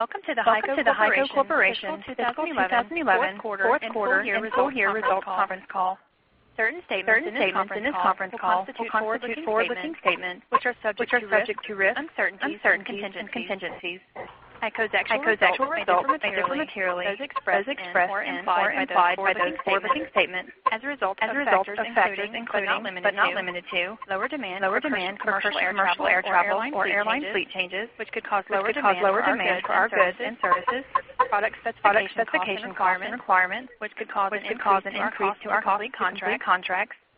Welcome to the HEICO Corporation's 2011 Fourth Quarter and Full Year Results Conference Call. Certain statements in this conference call constitute forward-looking statements, which are subject to risk, uncertainty, and contingencies. HEICO's actual results are materially [affected] and modified by those forward-looking statements. As a result, the effect could include but is not limited to lower demand for commercial air travel or airline fleet changes, which could cause lower demand for our goods and services, product specification requirements, which could cause an increase to our quality contract,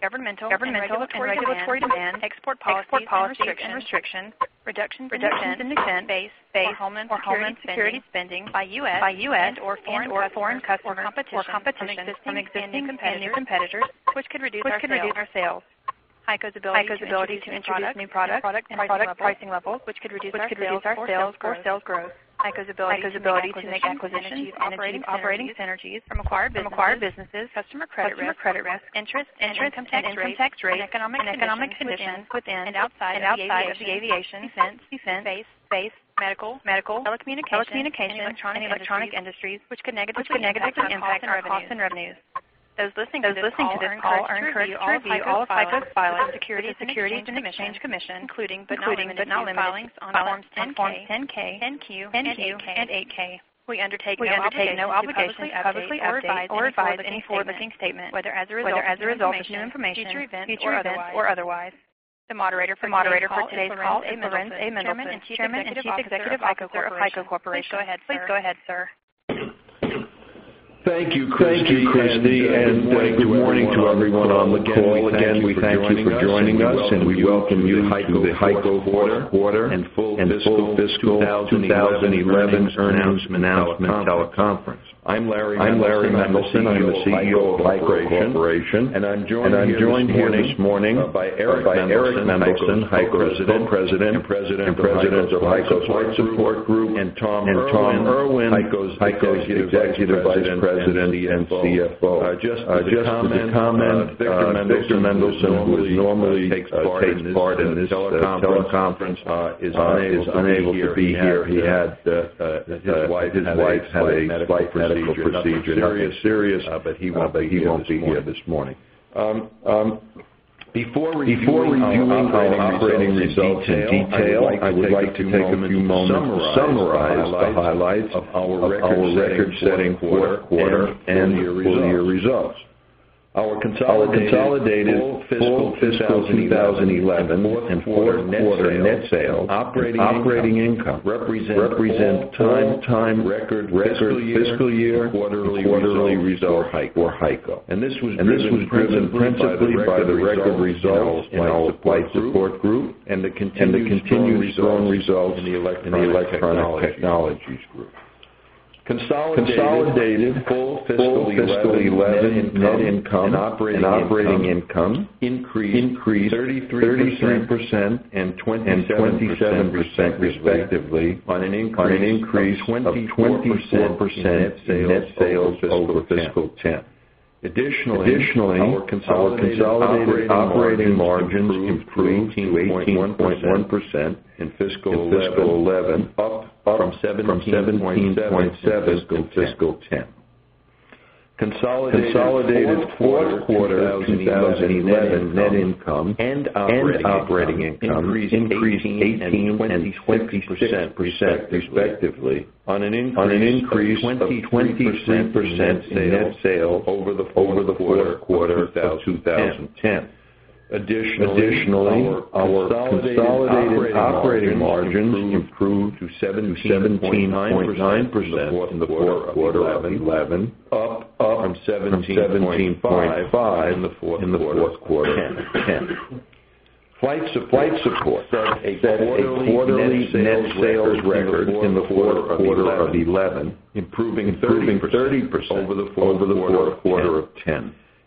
governmental and regulatory demand, export policies and restrictions, reduction in [incentives], Homeland or Homeland Security spending by U.S., or foreign competition from existing competitors, which could reduce our sales. HEICO's ability to introduce new products and product pricing levels, which could reduce our sales growth. HEICO's ability to make acquisitions and operating synergies from acquired businesses, customer credit risk, interest income tax rates, and economic conditions within and outside of the aviation, medical, telecommunications, and electronic industries could negatively impact our costs and revenues. Those listening to this call are encouraged to review all of HEICO's filings with the Securities and Exchange Commission, including but not limited to filings on Forms 10-K, 10-Q, and 8-K. We undertake no obligation to publicly update or revise any forward-looking statement, whether as a result of new information, future events, or otherwise. The moderator for today's call is Laurans A. Mendelson, Chairman and Chief Executive Officer of HEICO Corporation. Please go ahead, sir. Thank you, Christy, and good morning to everyone on the call. Again, we thank you for joining us, and we welcome you to the HEICO Quarter and Full Fiscal 2011 Announcement Teleconference. I'm Larry Mendelson. I'm the CEO of HEICO Corporation, and I'm joined here this morning by Eric Mendelson, HEICO's Co-President and President of HEICO's [Flight] Support Group, and Tom Irwin, HEICO's Executive Vice President and CFO. I just want to comment that Victor Mendelson, who would normally take part in this teleconference is unable to be here. His wife had a medical procedure. It's very serious, but he won't be here this morning. Before we do our operating results in detail, I would like to take a few moments to summarize the highlights of our record-setting quarter and full-year results. Our consolidated full fiscal 2011 and quarter net sales operating income represent time record fiscal year quarterly results for HEICO. This was driven principally by the record results in our Flight Support Group, and the continued results in the Electronics Technologies Group. Consolidated full fiscal 2011 net income and operating income increased 33% and 27% respectively, on an increase of 20% net sales over fiscal 2010. Additionally, our consolidated operating margins improved to 18.1% in fiscal 2011, from 17.7% in fiscal 2010. Consolidated fourth quarter 2011 net income and operating income increased 18% and 20% respectively, on an increase of 20% in net sales over the quarter 2010. Additionally, our consolidated operating margins improved to 17.9% in the quarter 2011, all from 17.5% in the fourth quarter 2010. Flight Support set a quarterly net sales record in the quarter 2011, improving 30% over the quarter of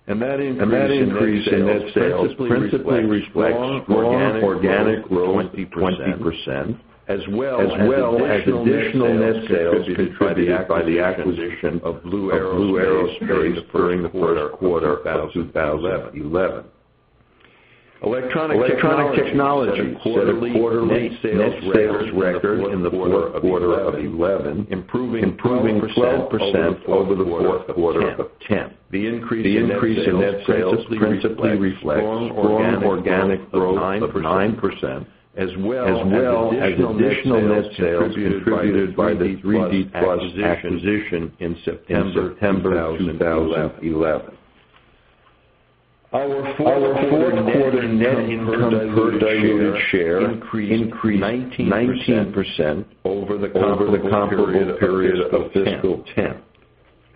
2010. That increase in net sales principally reflects on organic growth of 20%, as well as additional net sales by the acquisition of Blue Aerospace during the quarter 2011. Electronic Technologies set a quarterly net sales record in the quarter 2011, improving 20% over the quarter of 2010. The increase in net sales principally reflects on organic growth of 9%, as well as additional net sales contributed by the 3D Plus acquisition in September 2011. net income per diluted share increased 19% over the comparative period of fiscal 2010.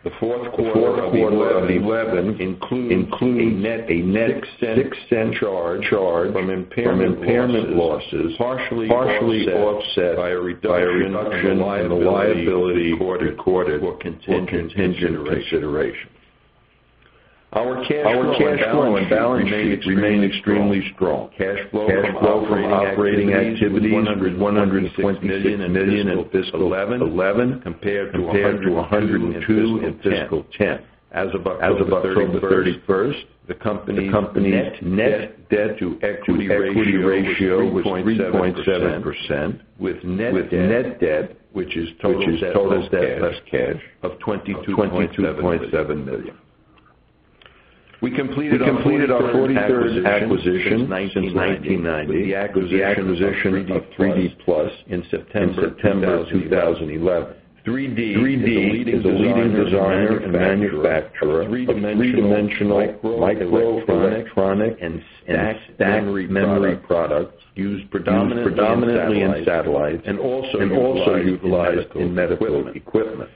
The fourth quarter of 2011 included a net expense charge from impairment losses, partially offset by a reduction in the liability for recorded or contingent consideration. Our cash flow and balance sheet remain extremely strong. Cash flow from operating activities was $106 million in Fiscal 2011 compared to $102 million in Fiscal 2010. As of October 31st, the company net debt to equity ratio was 0.7%, with net debt, which is total debt plus cash, of $22.7 million. We completed our 43rd acquisition in 1990, with the acquisition of 3D Plus in September 2011. 3D is a leading designer and manufacturer of three-dimensional microelectronic and stacked memory products used predominantly in satellites, and also utilized in medical equipment.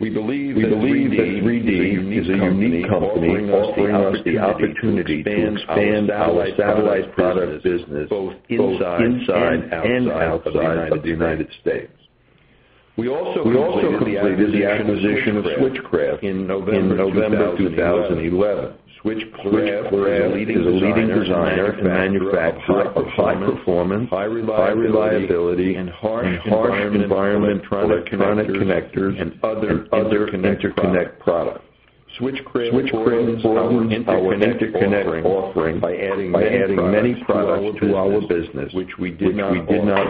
We believe that 3D is a unique company offering us the opportunity to expand our satellite product business both inside and out of the United States. We also completed the acquisition of Switchcraft in November 2011. Switchcraft is a leading designer and manufacturer of high-performance, high-reliability, and hard-environment electronic connectors and other connect products. Switchcraft will enhance our connect offering, by adding many products to our business, which we did not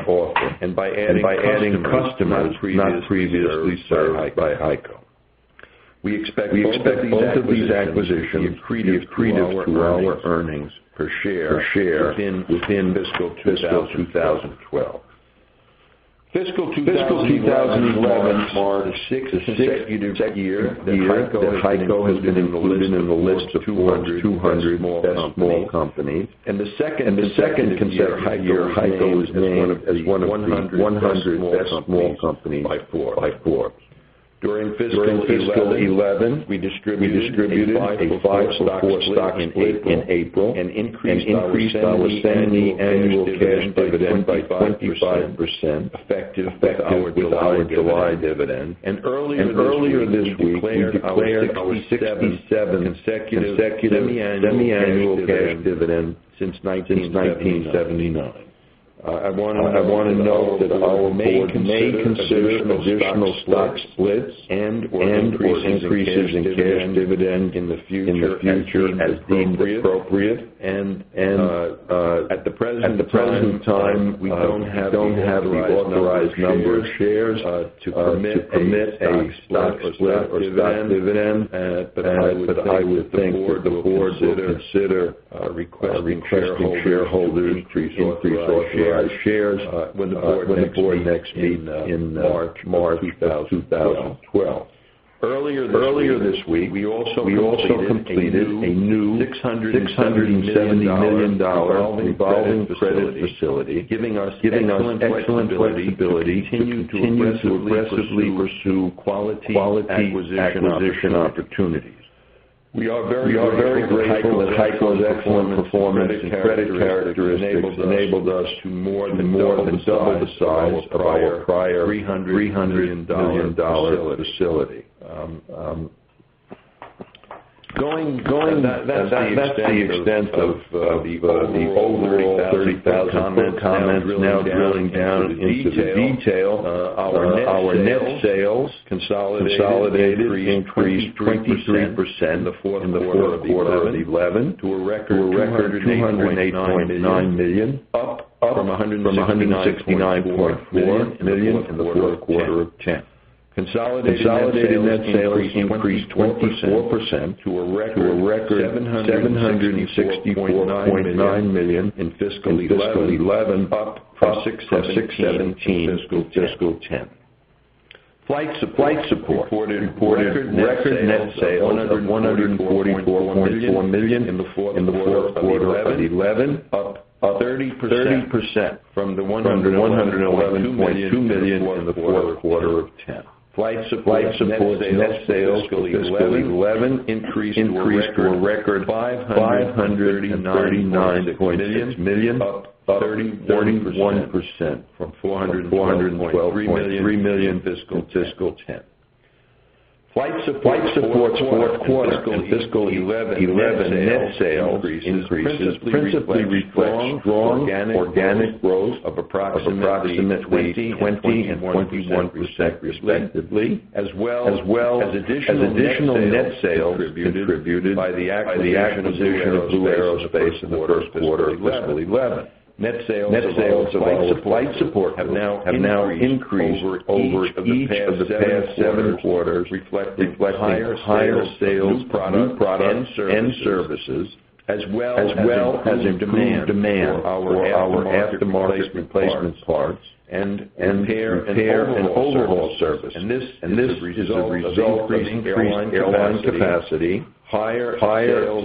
offer and by adding many customers not previously served by HEICO. We expect both of these acquisitions to increase our earnings per share within Fiscal 2012. Fiscal 2011 marked the sixth consecutive year that HEICO has been included in the list of 200 small companies, and the second consecutive year HEICO was named as one of the 100 small companies. During Fiscal 2011, we distributed 45 stocks in April and increased our semi-annual cash dividend by 25% effective July dividend. Earlier this week, we declared our 67th consecutive semi-annual cash dividend since 1979. I want to note that our board may consider additional stock splits and/or increases in cash dividend in the future as deemed appropriate. At the present time, we don't have the authorized number of shares to permit a stock split or dividend, but I would think the board would consider requiring shareholders to increase the authorized shares when the board next meets in March 2012. Earlier this week, we also completed a new $670 million revolving credit facility, giving us excellent flexibility to aggressively pursue quality acquisition opportunities. We are very grateful that HEICO's excellent performance and credit characteristics enabled us to more than double the size of our prior $300 million facility. That's the extent of the overall 30,000 comment. Now, drilling down into the detail, our net sales consolidated increased 23% in the fourth quarter of 2011, to a record $208.9 million up from $169.4 million in the fourth quarter of 2010. Consolidated net sales increased 24% to a record $760.9 million in Fiscal 2011, up from $617 million in Fiscal 2010. Flight Support reported record net sales of $144.4 million in the fourth quarter of 2011, up 30% from the $111.2 million in the fourth quarter of 2010. Flight Support net sales in Fiscal 2011 increased to a record $539.8 million, up 31% from $412.3 million in Fiscal 2010. Flight Support's fourth quarter in Fiscal 2011 net sales increased, principally reflecting organic growth of approximately 20% and 21% respectively, as well as additional net sales attributed by the acquisition of Blue Aerospace in the fourth quarter of 2011. Net sales of Flight Support have now increased over the past seven quarters, reflecting higher sales of new products and services, as well as demand for our aftermarket replacement parts and their overhaul services. This is the result of increased airline capacity, higher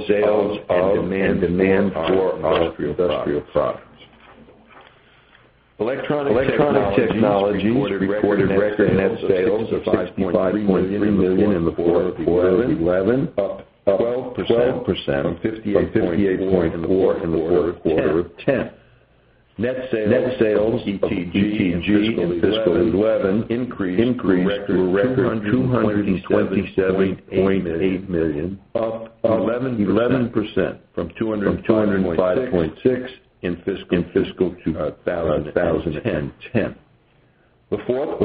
sales of demand for our industrial products. Electronic Technology reported record net sales of $65.3 million in the fourth quarter of 2011, up 12% from $58.4 million in the fourth quarter of 2010. Net sales in ETG Fiscal 2011 increased to a record $227.8 million, up 11% from $205.6 million in Fiscal 2010. The fourth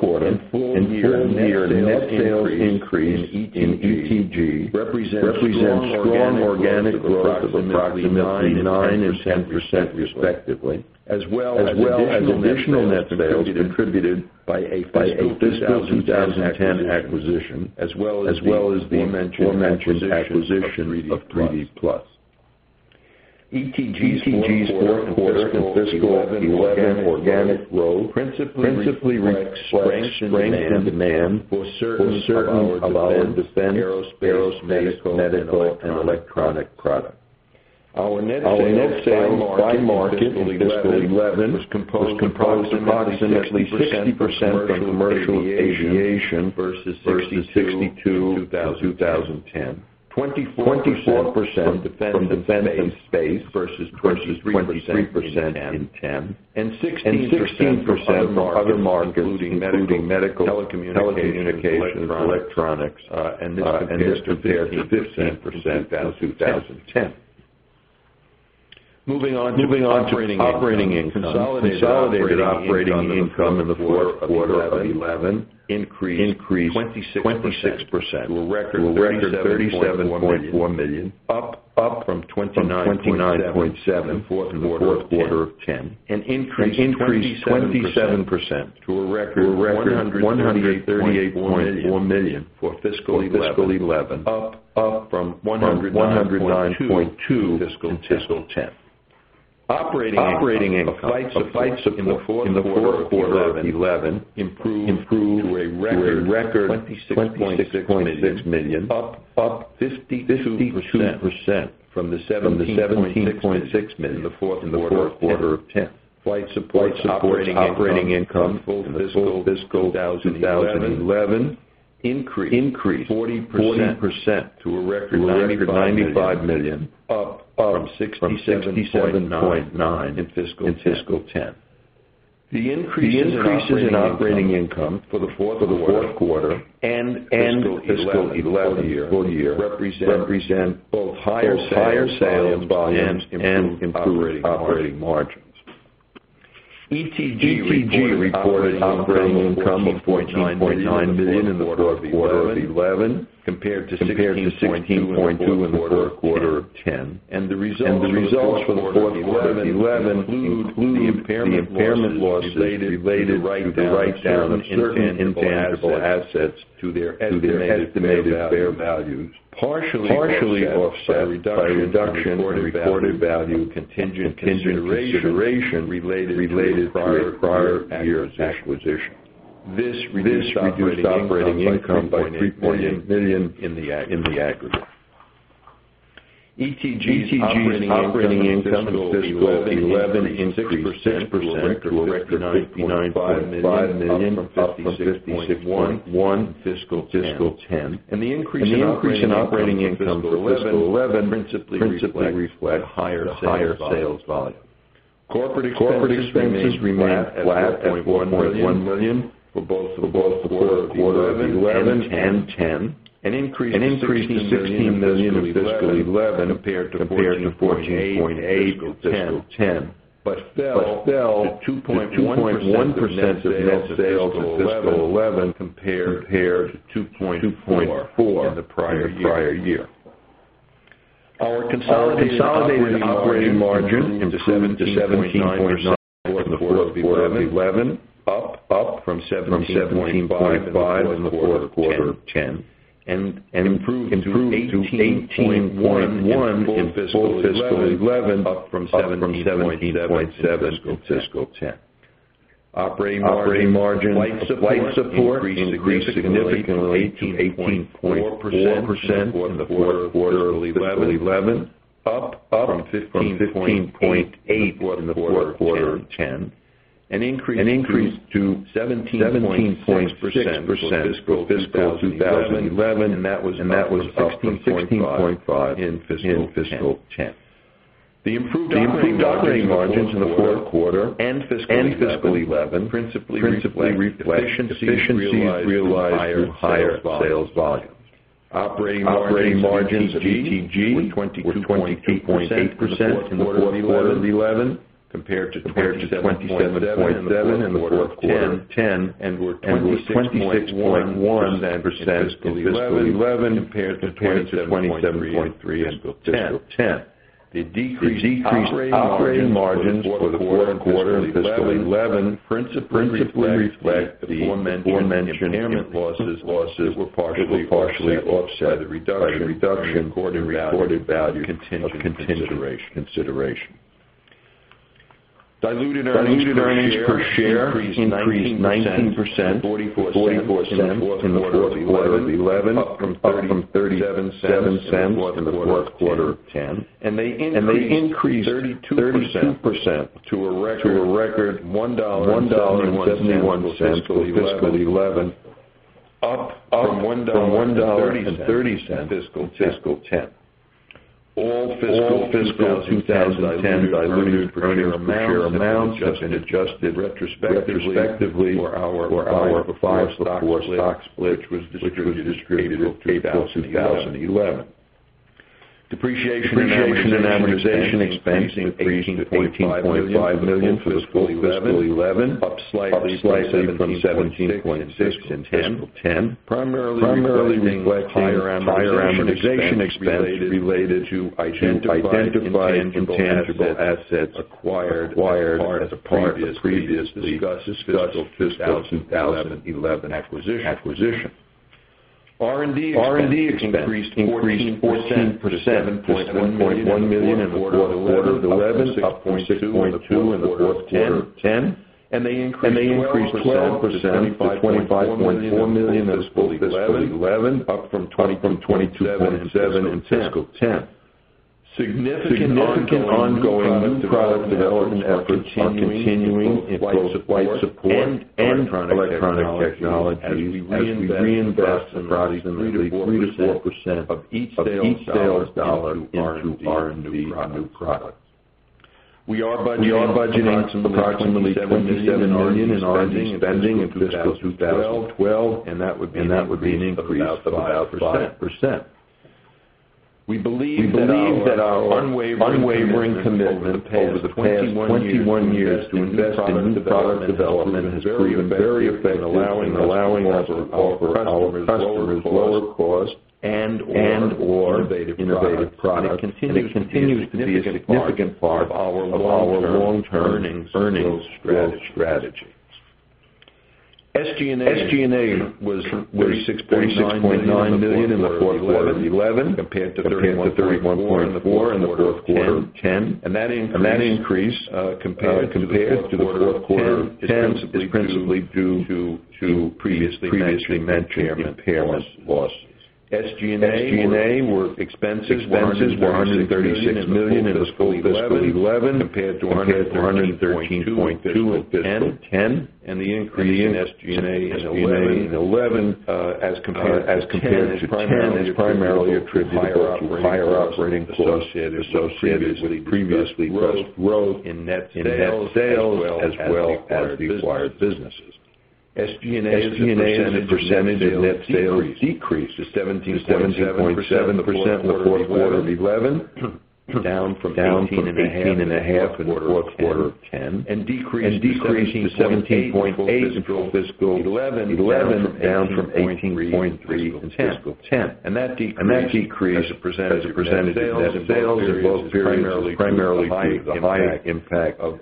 quarter and-year net sales increase in ETG represents strong organic growth of approximately 9% and 10% respectively, as well as additional net sales contributed by a Fiscal 2010 acquisition, as well as the mentioned acquisition of 3D Plus. ETG's fourth quarter in Fiscal 2011 organic growth principally [reflects] on the demand for certain medical and electronic products. Our net sales by market in Fiscal 2011 was composed approximately 60% from commercial aviation versus 62% in 2010. 27% from the defense and space versus 23% in 2010, and 16% from other markets, including medical, telecommunications, and electronics, and this compared to 15% in 2010. Moving on to operating income. Consolidated operating income in the fourth quarter of 2011 increased 26% to a record of $37.4 million, up from $29.7 million, the fourth quarter of 2010, and increased 27% to a record $138.4 million for Fiscal 2011, up from $109.2 million in Fiscal 2010. Operating income in the fourth quarter of 2011 improved to a record $26.6 million, up 52% from the $17.6 million in the fourth quarter of 2010. Operating income in Fiscal 2011 increased 40% to a record $95 million, up from $67.9 million in Fiscal 2010. The increases in operating income for the fourth quarter and in Fiscal 2011 represent both higher sales and improved operating margins. ETG reported operating income of $0.9 million in the fourth quarter of 2011, compared to $16.2 million in the fourth quarter of 2010, and the results for the fourth quarter of 2011 include, the impairment losses related to write-down and intangible assets to their estimated fair value, partially offset by reduction in the value of contingent consideration related to prior year's acquisition. This reduced operating income by $98 million in the aggregate. ETG's operating income in Fiscal 2011 increased 10% to a record $99.5 million from $56.1 million in Fiscal 2010, and the increase in operating income in Fiscal 2011 principally reflects higher sales volume. Corporate expenses remained flat at $4.1 million for both the fourth quarter of 2011 and 2020 increased to $16 million in Fiscal 2011 compared to $14.8 million in Fiscal 2010, but fell to 2.1% of net sales in Fiscal 2011 compared to 2.44% in the prior year. Our consolidated operating margin increased to 17.9% in the fourth quarter of 2011, up from 17.5% in the fourth quarter of 2010, and improved to 18.1% in Fiscal 2011, up from 17.7% in Fiscal 2010. Operating margin of Flight Support increased significantly to 18.4% in the fourth quarter of 2011, up from 15.8% in the fourth quarter of 2010, and increased to 17.6% in Fiscal 2011 and that was 16.5% in Fiscal 2010. The improved operating margins in the fourth quarter and Fiscal 2011 principally reflect efficiencies realized through higher sales volume. Our operating margins of ETG increased to 22.8% in the fourth quarter of 2011, compared to 27.7% in the fourth quarter of 2010, and 26.1% in Fiscal 2011 compared to 27.3% in Fiscal 2010. The decrease in operating margins for the fourth quarter of 2011, principally reflects the impairment losses which were partially offset by the reduction in the reported value of contingent consideration. Diluted earnings per share increased 19%, $0.44 in the fourth quarter of 2011, up from $0.37 in the fourth quarter of 2010 and they increased 32% to a record $1.71 in Fiscal 2011, up from $1.30 in Fiscal 2010. All Fiscal 2010 diluted share amounts have been adjusted retrospectively for our five stock splits which were distributed in 2011. Depreciation and amortization expense increased to $18.5 million for Fiscal 2011, up slightly from $17.6 million in 2010, primarily reflecting higher amortization expense related to identified intangible assets acquired as a part of the previously discussed 2011 acquisition. R&D expense increased 14% from [$7.1] million in the fourth quarter of 2011, up from $6.2 million in the fourth quarter of 2010, and they increased 10%, by $25.4 million in Fiscal 2011, up from $22.7 million in Fiscal 2010. Significant ongoing product development efforts continue in Flight Support and Electronic Technology. We reinvest roughly 4% of each sales dollar in our new product. We are budgeting approximately $7 million in our spending in Fiscal 2012, and that would be an increase by 5%. We believe that our unwavering commitment over the 21 years to invest in product and/or innovative products, continues to be a significant part of our long-term earnings growth strategy. SG&A was $36.9 million in the fourth quarter of 2011, compared to $31.4 million in the fourth quarter of 2010. That increase compares to the fourth quarter of 2010 principally due to previously mentioned impairment loss. SG&A expenses were $136 million in Fiscal 2011, compared to [$130.2] million in Fiscal 2010, and the increase in SG&A in 2011 as compared to 2010 is primarily attributed to higher operating costs associated with previously growth in net sales as well as the acquired businesses. SG&A's percentage of net sales decreased to 17% in the fourth quarter of 2011, down from 18.5% in the fourth quarter of 2010, and decreased to 17.8% in Fiscal 2011, down from 18.3% in Fiscal 2010. That decrease is presented as a result primarily due to the impact of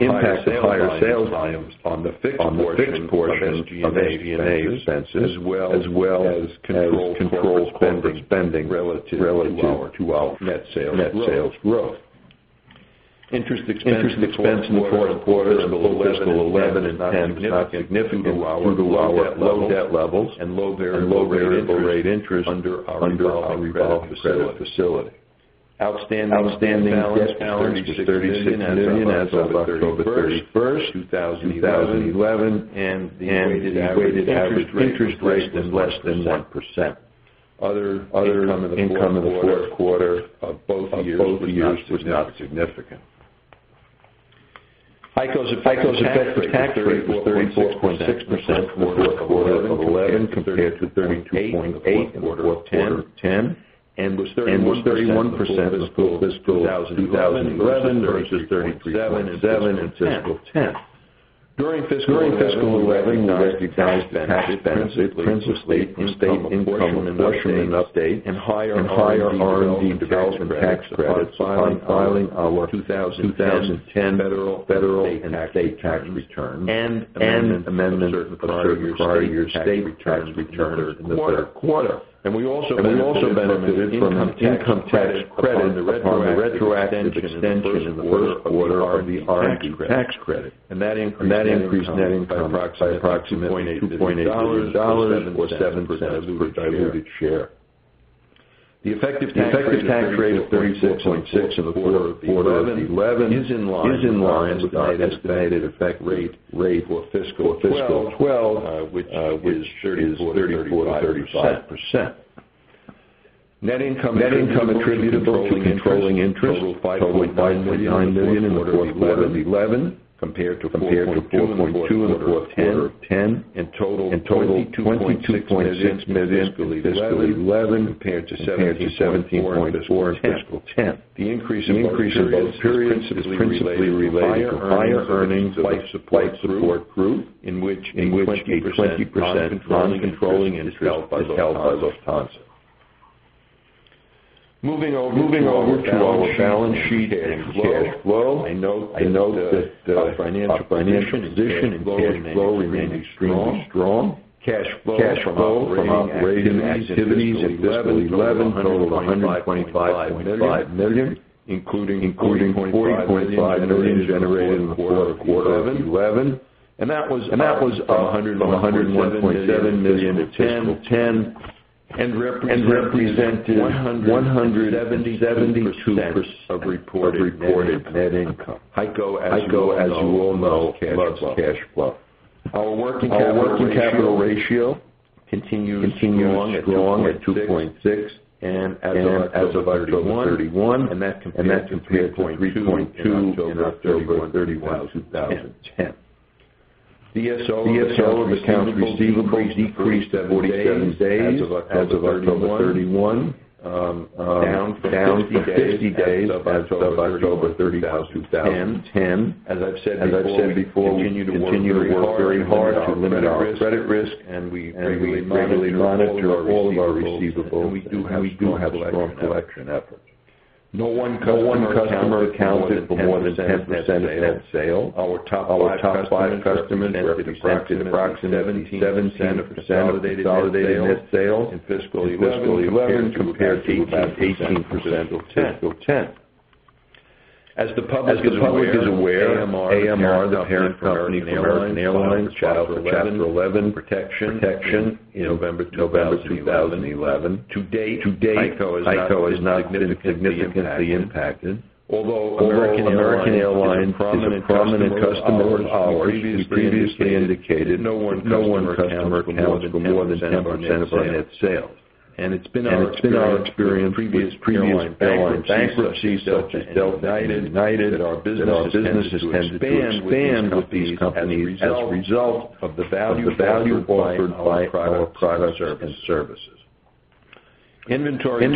higher sales volumes on the fifth quarter of SG&A expenses, as well as controlled spending relative to our net sales growth. Interest expenses in the fourth quarter Fiscal 2011 and 2010 were significant due to our low debt levels and low variable rate interest under our revolving facility. Outstanding debt balance was $36 million as of October 31st, 2011, and the average interest rate was less than 1%. Other income in the fourth quarter of both years was not significant. HEICO's effective fixed rate was 36.6% in the fourth quarter of 2011, compared to 32.8% in the fourth quarter of 2010, and was 31% in Fiscal 2011, compared to 37% in Fiscal 2010. During Fiscal 2011, we recognized the tax benefits principally in state income enrichment update and higher R&D development tax credits, compiling our 2010 federal and the state tax returns, and amendments to prior year state tax returns in the third quarter. We also benefited from an income tax credit on the retroactive extension in the fourth quarter of the R&D tax credit, and that increased net income by approximately $2.8 or 7% per diluted share. The effective tax rate of 36.6% in the fourth quarter of 2011 is in line with the estimated effective rate for fiscal 2012, which is 34%, 35%. Net income attributable to controlling interest totaled $5.9 million in the fourth quarter of 2011, compared to $4.2 million in the fourth quarter of 2010, and totaled $22.6 million in fiscal 2011, compared to $17.4 million in fiscal 2010. The increase in both periods is principally related to higher earnings by the support group, in which 20% [from] controlling interest was held by the sponsor. Moving over to our balance sheet and cash flow, I note that the financial position and flow remain strong. Cash flow from operating activities in 2011 totaled $125 million, including $40.5 million is generated in the fourth quarter of 2011. That was up from $101.7 million in 2010, and represented 172% of reported net income. HEICO as you all know loves cash flow. Our working capital ratio continues to be strong at 2.6 as of October 31, and that's compared to 3.2 as of October 31, 2010. DSO of accounts receivable decreased every day as of October 31, down to [50] days as of October 31, 2010. As I've said before, we continue to work very hard to limit our credit risk and regularly monitor all of our receivables, and we do have strong collection efforts. No one customer accounted for more than 10% of net sales. Our top five customers represented approximately 17% of the net sales in fiscal 2011, compared to 18% in fiscal 2010. As the public is aware, AMR, the parent company of American Airlines, filed for Chapter 11 protection in November 2011. To date, HEICO has not been significantly impacted, although American Airlines is a prominent customer of ours. We previously indicated no one customer accounted for more than 10% of our net sales, and it's been our experience with previous airline bankruptcies such as Delta, United, that our businesses [have not been dismissed] as a result of the value acquired by our products and services. Inventory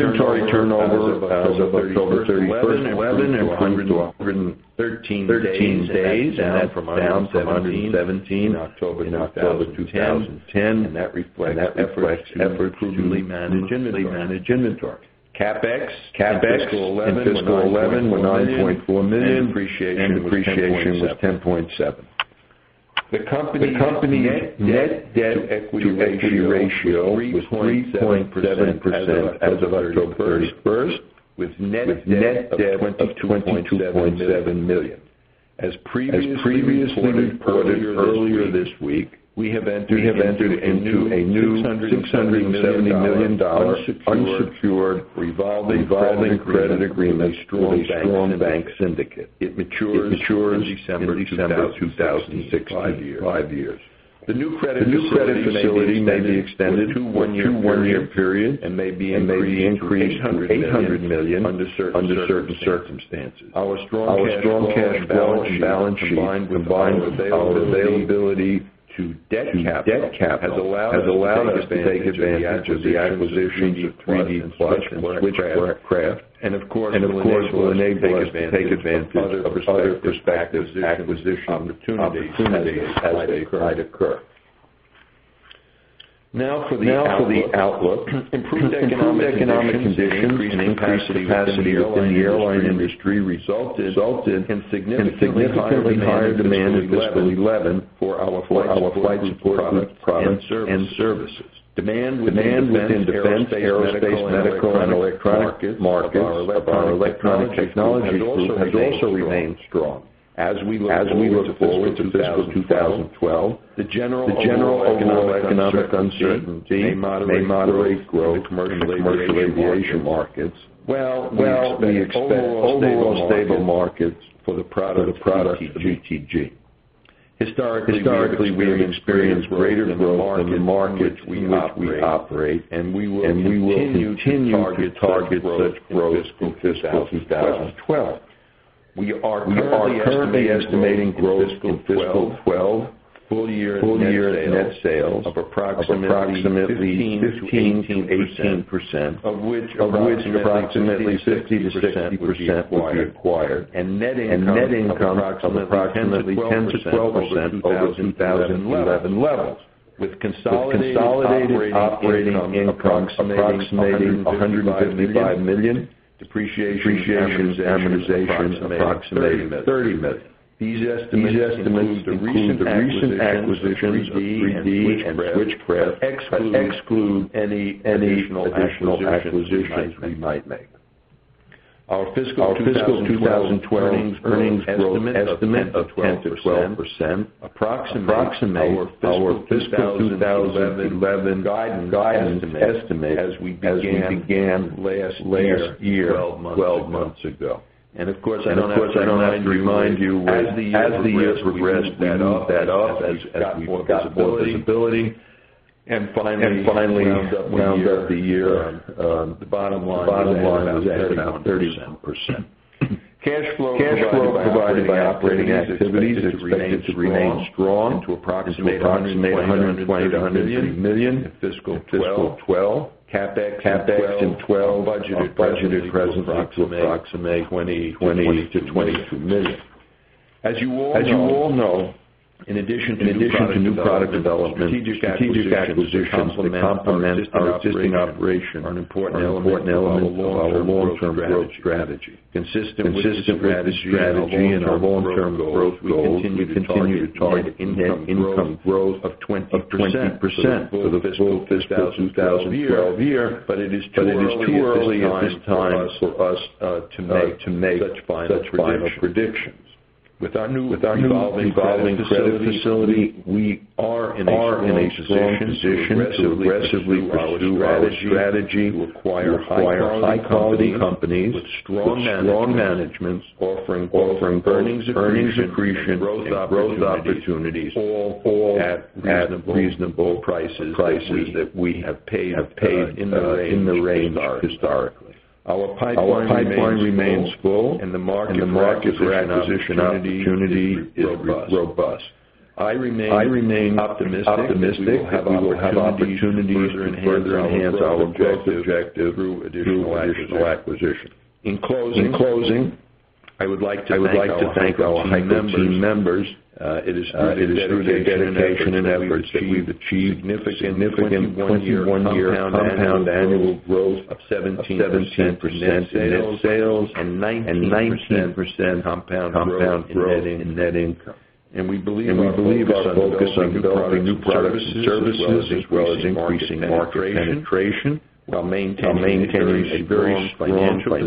turnover as of October 31, 2011 was 113 days, down from 117 in October 2010, and that reflects efforts to manage inventory. CapEx for 2011 were $9.4 million, and depreciation was $10.7 million. The company net debt to equity ratio increased to 3.7% as of October 31st, with net debt of $2.7 million. As previously reported earlier this week, we have entered into a new $670 million unsecured revolving credit agreement, with a strong bank syndicate. It matures December 2016, in five years. The new credit facility may be extended to a one-year period, and may be increased to $800 million under certain circumstances. Our strong cash balance combined with our availability to debt capital has allowed us to take advantage of the acquisition of 3D Plus and Switchcraft, and of course will enable us to take advantage of other prospective acquisition opportunities as they occur. Now, for the outlook, improved economic conditions and in capacity within the airline industry, resulted in significantly higher demand in fiscal 2011 for our flight support products and services. Demand within defense aerospace, medical, and electronic markets for our electronic technology has also remained strong. As we look forward to 2012, the general overall economic uncertainty may moderate growth in commercial aviation markets. We expect overall stable markets for the product of ETG. Historically, we have experienced greater growth in the markets we operate, and we will continue to target such growth in fiscal 2012. We are currently estimating growth in fiscal 2012, full-year net sales of approximately 15%- 18%, of which approximately 50% will be acquired and net income approximately 10%-12% in 2011 levels, with consolidated operating incomes approximating $155 million, depreciation amortization approximating $30 million. These estimates include the recent acquisitions of 3D Plus and Switchcraft, excluding any additional acquisitions we might make. Our fiscal 2012 earnings growth estimate of 10%-12% approximates our fiscal 2011 guidance estimate as we began last year 12 months ago. Of course, I don't have to remind you as the years progressed that up, as did the board's visibility, and finally round up the year, the bottom line is ahead of 37%. Cash flow provided by operating activities is expected to remain strong, to approximate $120 million-$150 million in fiscal 2012, CapEx in 2012, budgeted [a present approximate] of $20 million-$22 million. As you all know, in addition to new product development, strategic acquisitions complement our existing operation and support our long-term growth strategy. Consistent with our strategy and our long-term growth goals, we continue to target income growth of 20% for the fiscal 2012 year, but it is too early at this time for us to make such final predictions. With our new revolving credit facility, we are in a strong position to aggressively grow our strategy to acquire high-quality companies with strong management, offering earnings, increasing growth opportunities, all at reasonable prices that we have paid in the reins historically. Our pipeline remains full, and the market for acquisition opportunity is robust. I remain optimistic we will have opportunities to further enhance our objective through additional acquisitions. In closing, I would like to thank our team members. It is through their dedication and efforts that we've achieve significant one-year compound annual growth of 17% in net sales, and 19% compound growth in net income. We believe our focus on new products and services, as well as increasing market penetration, while maintaining a very strong financial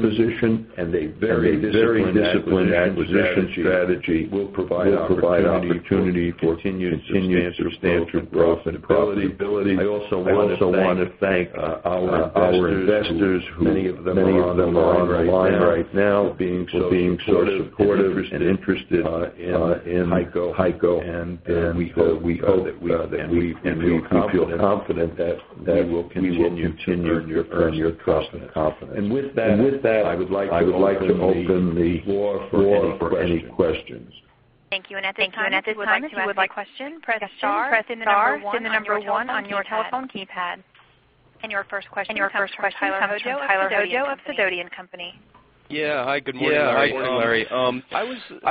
position. A very disciplined acquisition strategy will provide an opportunity for continued substantial growth and profitability. I also want to thank our investors, many of them on our line right now, for being so supportive and interested in HEICO. We hope that we can feel confident that we'll continue to earn your confidence. With that, I would like to open the floor for any questions. Thank you. At this time, a question, press star then press the number one on your telephone keypad. Your first question of the [Zodiac] Company? Yeah. Good morning. Hi, Larry. I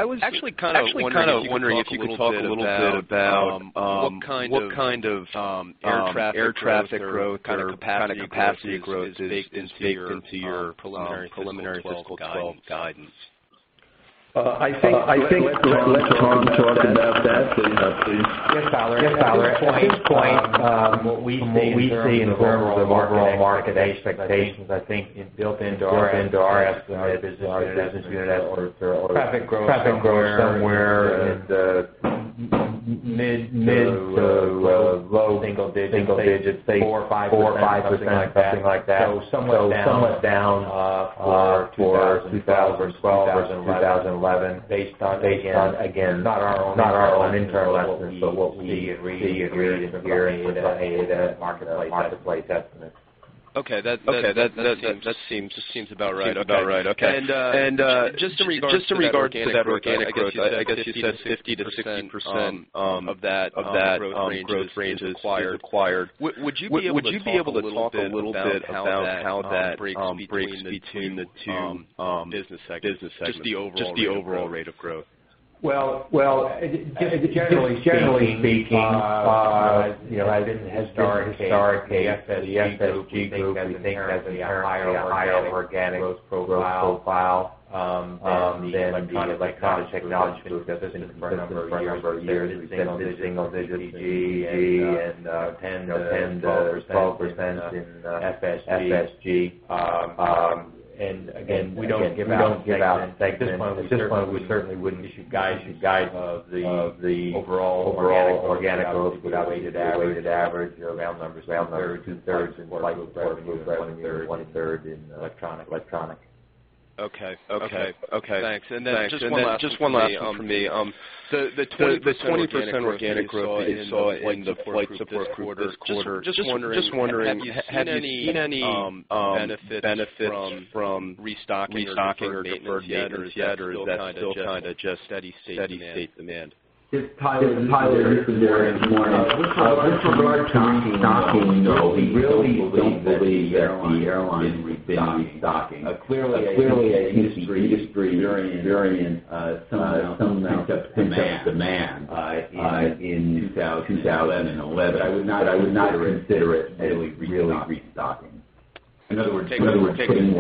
was actually wondering if you could talk a little bit about what kind of air traffic growth or capacity growth is to your preliminary thought guidance. I think let Tom talk about that, please. Yes. At this point, what we see in terms of our market expectations, I think built into our business unit or traffic growth is somewhere in the mid to low single-digit, just say 4% or 5%, something like that. Somewhat down from 2012 and 2011 based on again not our own internal levels, but what we see in really marketplace estimates. Okay, that seems about right. Okay, and just in regards to that, I guess you said 50%- 60% of that growth range is required. Would you be able to talk a little bit about how that breaks between the two business segments, just the overall rate of growth? Generally speaking, I didn't have to start [the FSG thing] because it has a higher organic profile than the Electronic Technologies Group business unit for a number of years. We've seen a single-digit ETG and 10% or 12% in FSG. Again, we don't give out this one. We certainly wouldn't issue a guide of the overall organic growth without weighted average [real] numbers, of about 32% in Flight Support and 1/3 in Electronic. Okay, thanks. Just one last thing from me. The 20% organic growth you saw in the fourth quarter. Just wondering, have you seen any benefit from restocking or is that still kind of just steady state demand? [crossatalk]. No, we really don't believe that the airline is restocking. Clearly, a history-bearing demand in 2011. I would not consider it really restocking. In other words, taking of maintenance, they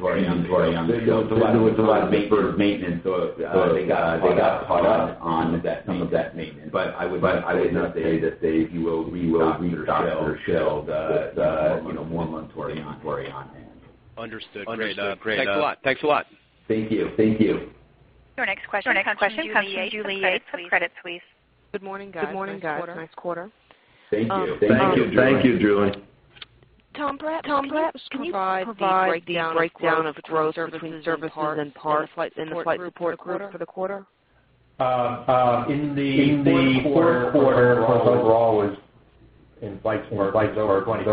got caught up on some of that maintenance. I would not say that we will restock or sell the one-month variant [on there]. Understood., great. Thanks a lot. Thank you. Your next question comes from with Credit Suisse. Good morning, guys. Nice quarter. Thank you. Thank you, Julie. Tom, please can you provide a breakdown of the growth between services and parts in the Flight Support Group for the quarter? In the fourth [quarter forward], in Flight Support, [we're going to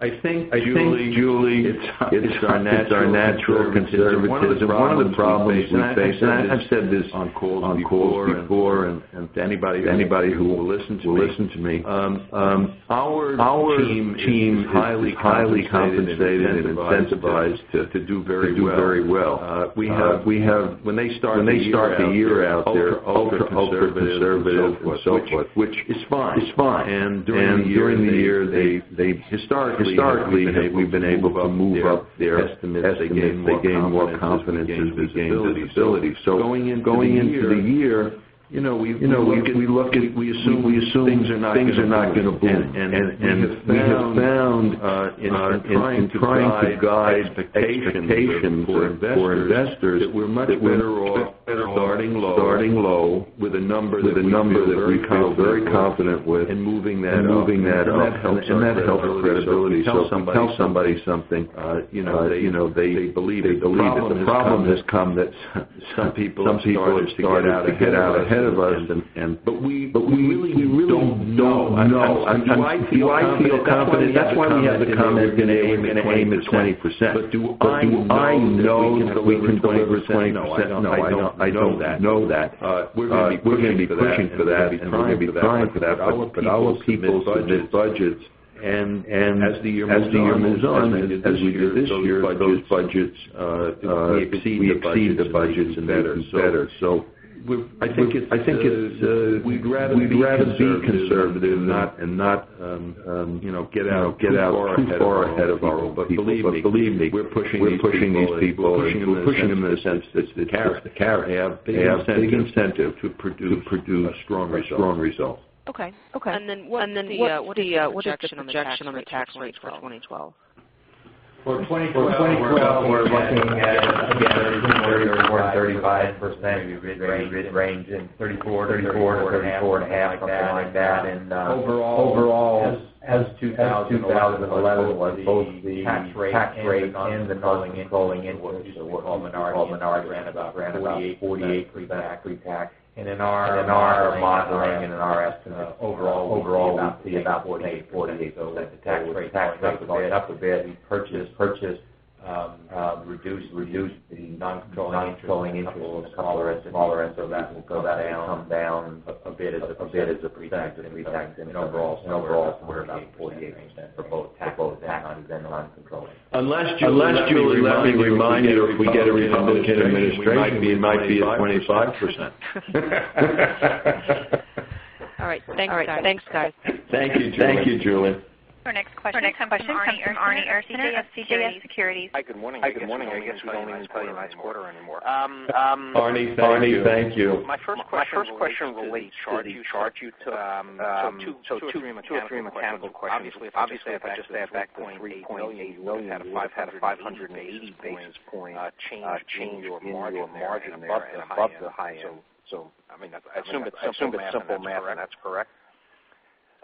I think, Julie, it's our natural conservatism. One of the problems we face, and I have said this on calls before and to anybody who will listen to me, our team is highly compensated and incentivized to do very well. When they start the year out there, they're all conservative, which is fine. During the year, historically, we've been able to move up their estimates. They gain more confidence in the ability. Going into the year, we assume things are not going to boom. We found in trying to guide expectations for investors, we're much better off starting low with a number that we feel very confident with and moving that up. That helps credibility when you tell somebody something. They believe the problem that some people start out ahead of us. We really don't know. I feel confident. That's why we have the comment that the aim is 20%. Do I know that we can go over 20%? No, I don't know that. We're going to be pushing for that. We're going to be trying for that. Our people, budgets, and as the year moves on and as we go by those budgets, we exceed the budgets [and better]. I think we'd rather be conservative and not get out far ahead of our own. Believe me, we're pushing these people. We're pushing them in the sense that they have the incentive to produce a strong result. Okay. What's the objection on the tax rates for 2012? For 2012, we're looking at, have you heard anything [more than 35%]. We rearranged in 34%-34.5%, something like that. Overall, as 2011 was, both the tax rate and the all menage ran about 48% accurate tax. In our model, and in our overall, about 48% of the tax rate went up a bit. We purchase reduced the non-controlling inflow tolerance. The tolerance of that will come down a bit as a pretext. We taxed in overall, 48.8% for both that and then the non-controlling. Unless Julie, let me remind you, if we get a Republican administration, it might be 25%. All right. Thanks, guys. Thanks, guys. Thank you, Julie. Your next question comes from Arnie Ursaner of CJS Securities. Hi. Good morning. I guess quarter anymore. Arnie, thank you. My first question will chart you to two or three mechanical questions. Obviously, if I just stay at that point, [will you have] 580 points change your margin there above [the higher]? I assume it's simple math, and that's correct?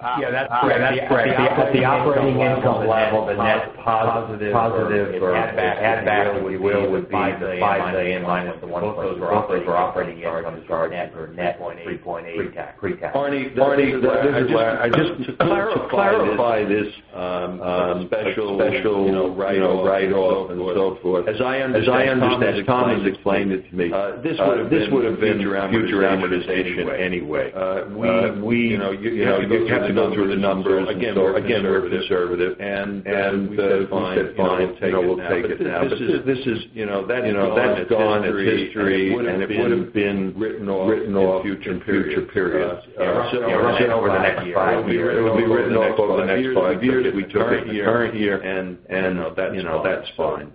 Yeah, that's correct. At the operating income level, the net positive add value would be $5 million lined up to $1.4 million for operating yard under guard for net $3.8 million pre-tax. Arnie, I just want to clarify this special write-off and. As I understand it, as Thomas explained it to me, this would have been future amortization anyway. You have to go through the numbers. Again, we're conservative and that's fine. We'll take it now. t's gone. It's history, and it would have been written off in a future period. Over the next five years, it would be written off [crosstalk. We took a year, and that's fine.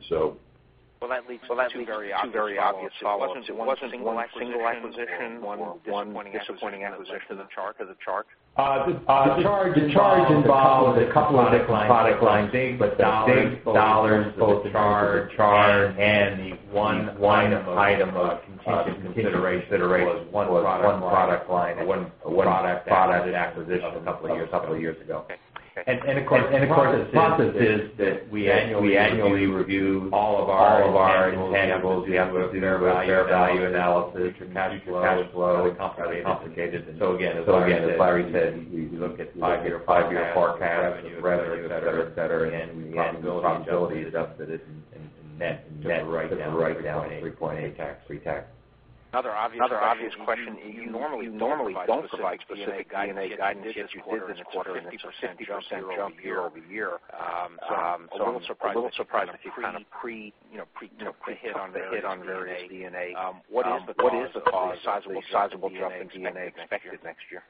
That's very obvious. Wasn't one single acquisition, one disappointing acquisition off the chart? The chart involved a couple of product lines, big but big dollars, both the chart and the one item of consideration was one product line and one product acquisition a couple of years ago. Of course, the process is that we annually review all of our intangibles, we have a fair value analysis, and complicated. As Larry said, you look at the five-year forecast, revenue, etc., and we go from ability to deficit and net and right down to $3.8 free tax. Another obvious question, you normally don't like specific D&A guidance. You get your quarter in percent year over year. I'm a little surprised to see a pre-hit on the hit on D&A. What is the cause? Sizable D&A expected next year?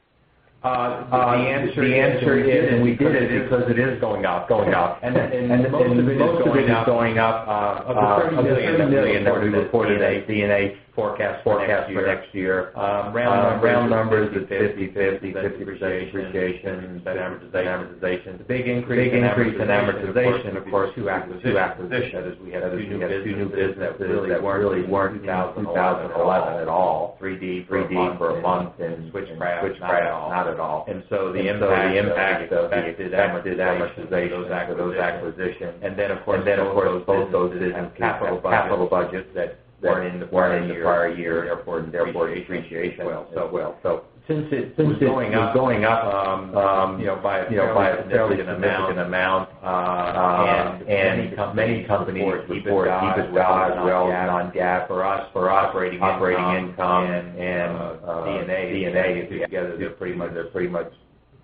The answer is, we did it because it is going up. Most of it is going up, of the $30 million that quarterly D&A forecast for next year. Round numbers of in amortization of course through acquisition. We had a few new businesses that weren't $2,000 at all, 3D Plus for a month and Switchcraft not at all. The impact those acquisitions, and both those businesses' capital budgets that weren't in the prior year, therefore the depreciation went up. Since it's going up by a significant amount, and many companies keep it up because for us, for operating income. D&A is pretty much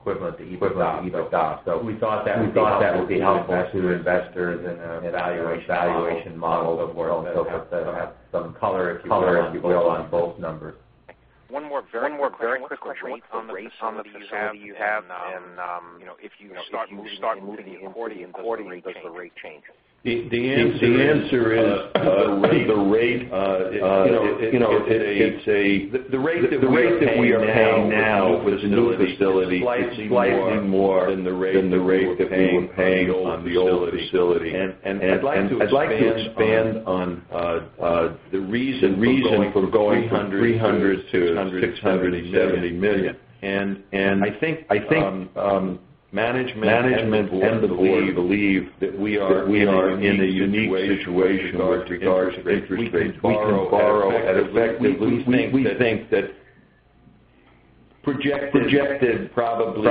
equivalent to EBITDA. We thought that would be helpful to investors and evaluation models as well, to have some color, if you will, on both numbers. One more very quick question. Rates on the facility you have, and if you start moving the ordinary percent rate change. The answer is, you could say, the rate that we are paying now for this new facility is more than the rate that we were paying on the old facility. I'd like to expand on the reason for going $300 million to $670 million. I think management will believe that we are in a unique situation with regards to interest rates. In fact, effectively, we think that projected is probably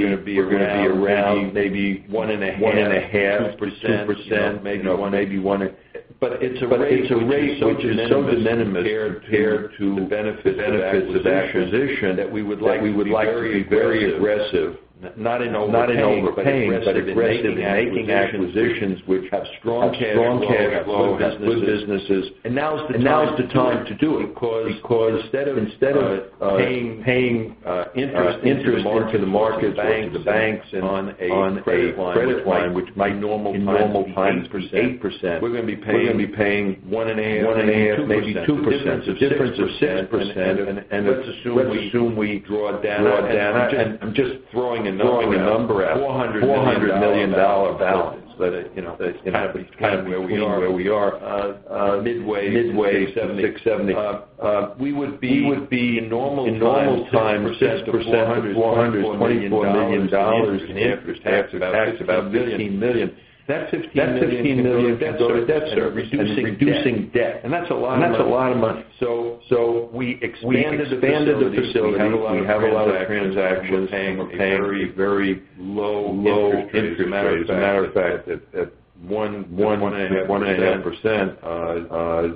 going to be around maybe 1.5%, 2%, maybe 1.5%. It's a rate which is so de minimis compared to the benefits of acquisition, that we would like to be very aggressive, not in overpaying, but aggressive in making acquisitions which have strong care, have good businesses. Now is the time to do it because instead of paying interest into the markets, paying the banks on a credit line, which in normal times is 8%, we're going to be paying 1.5%, maybe 2%. The difference is 7%. Let's assume we draw it down. I'm just throwing a number out, $400 million balance. You know kind of where we are, midway, $670 million. We would be in normal times at the percentage of $424 million in interest tax, that is about $15 million. That $15 million is debt service and reducing debt, and that's a lot of money. We expanded the facility. We have a lot of transactions paying very low interest rates. As a matter of fact, at 1.5%,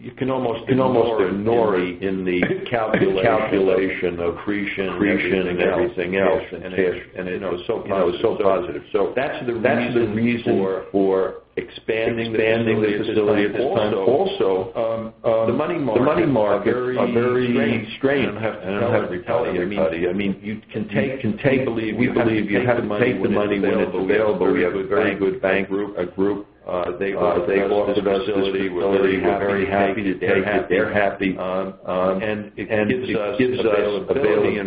you can almost ignore the calculation of creation and everything else. It was so positive. That's the reason for expanding the facility. Also, the money market are very strained. I don't have to be petty. I mean, we believe you have to take the money when it's available. We have a very good bank group. They bought the facility. We're very happy to take it. They're happy. It gives us a billion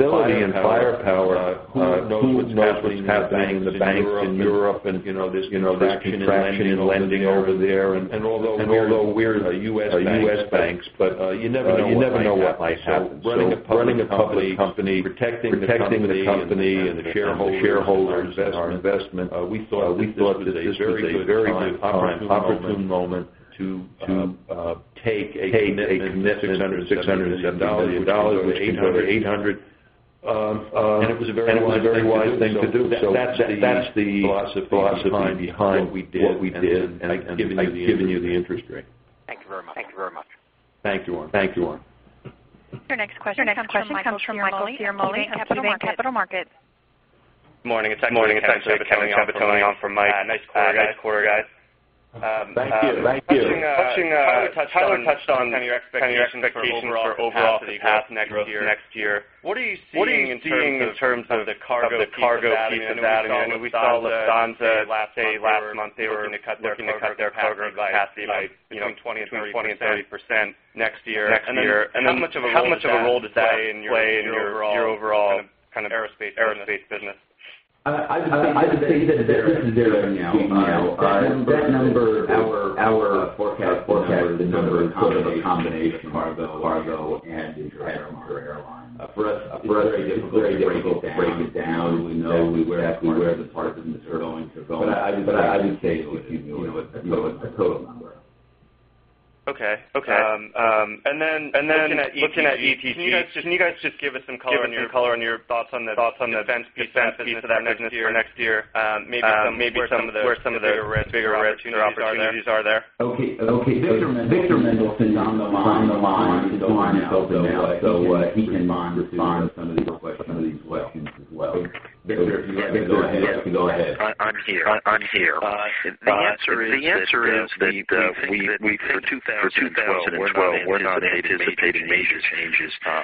firepower to know what's happening in the bank in Europe. There's traction in lending over there. Although we're a U.S. bank, but you never know what might happen. Running a company, protecting the company and the shareholders and our investment, we thought this was a very good opportune moment to take a significant $600 million-$800 million. It was a very wise thing to do. That's the philosophy behind what we did, and I've given you the interest rate. Thank you very much. Thank you, Arnie. Your next question comes from Capital Markets. Morning. It's actually. Nice quarter, guys. Thank you. Can you set expectations for overall capacity next year? What are you seeing in terms of the cargo space? We saw Lufthansa last month. They were looking to cut their cargo capacity by 20%-30% next year. How much of a role does that play in your overall kind of aerospace business? I would say that our forecast, the number in terms of the combination of very difficult to have it down. We know we're at the part that. I would say it would give you a cooler number. Okay. Looking at ETG, can you guys just give us some color on your thoughts on the defense business for next year? Maybe where some of the bigger risk opportunities are there? Okay. Victor Mendelson is on the line. He's on now. He can respond to some of these questions as well. Victor, if you can go ahead. I'm here. The answer is that we think 2012, we're not anticipating major changes for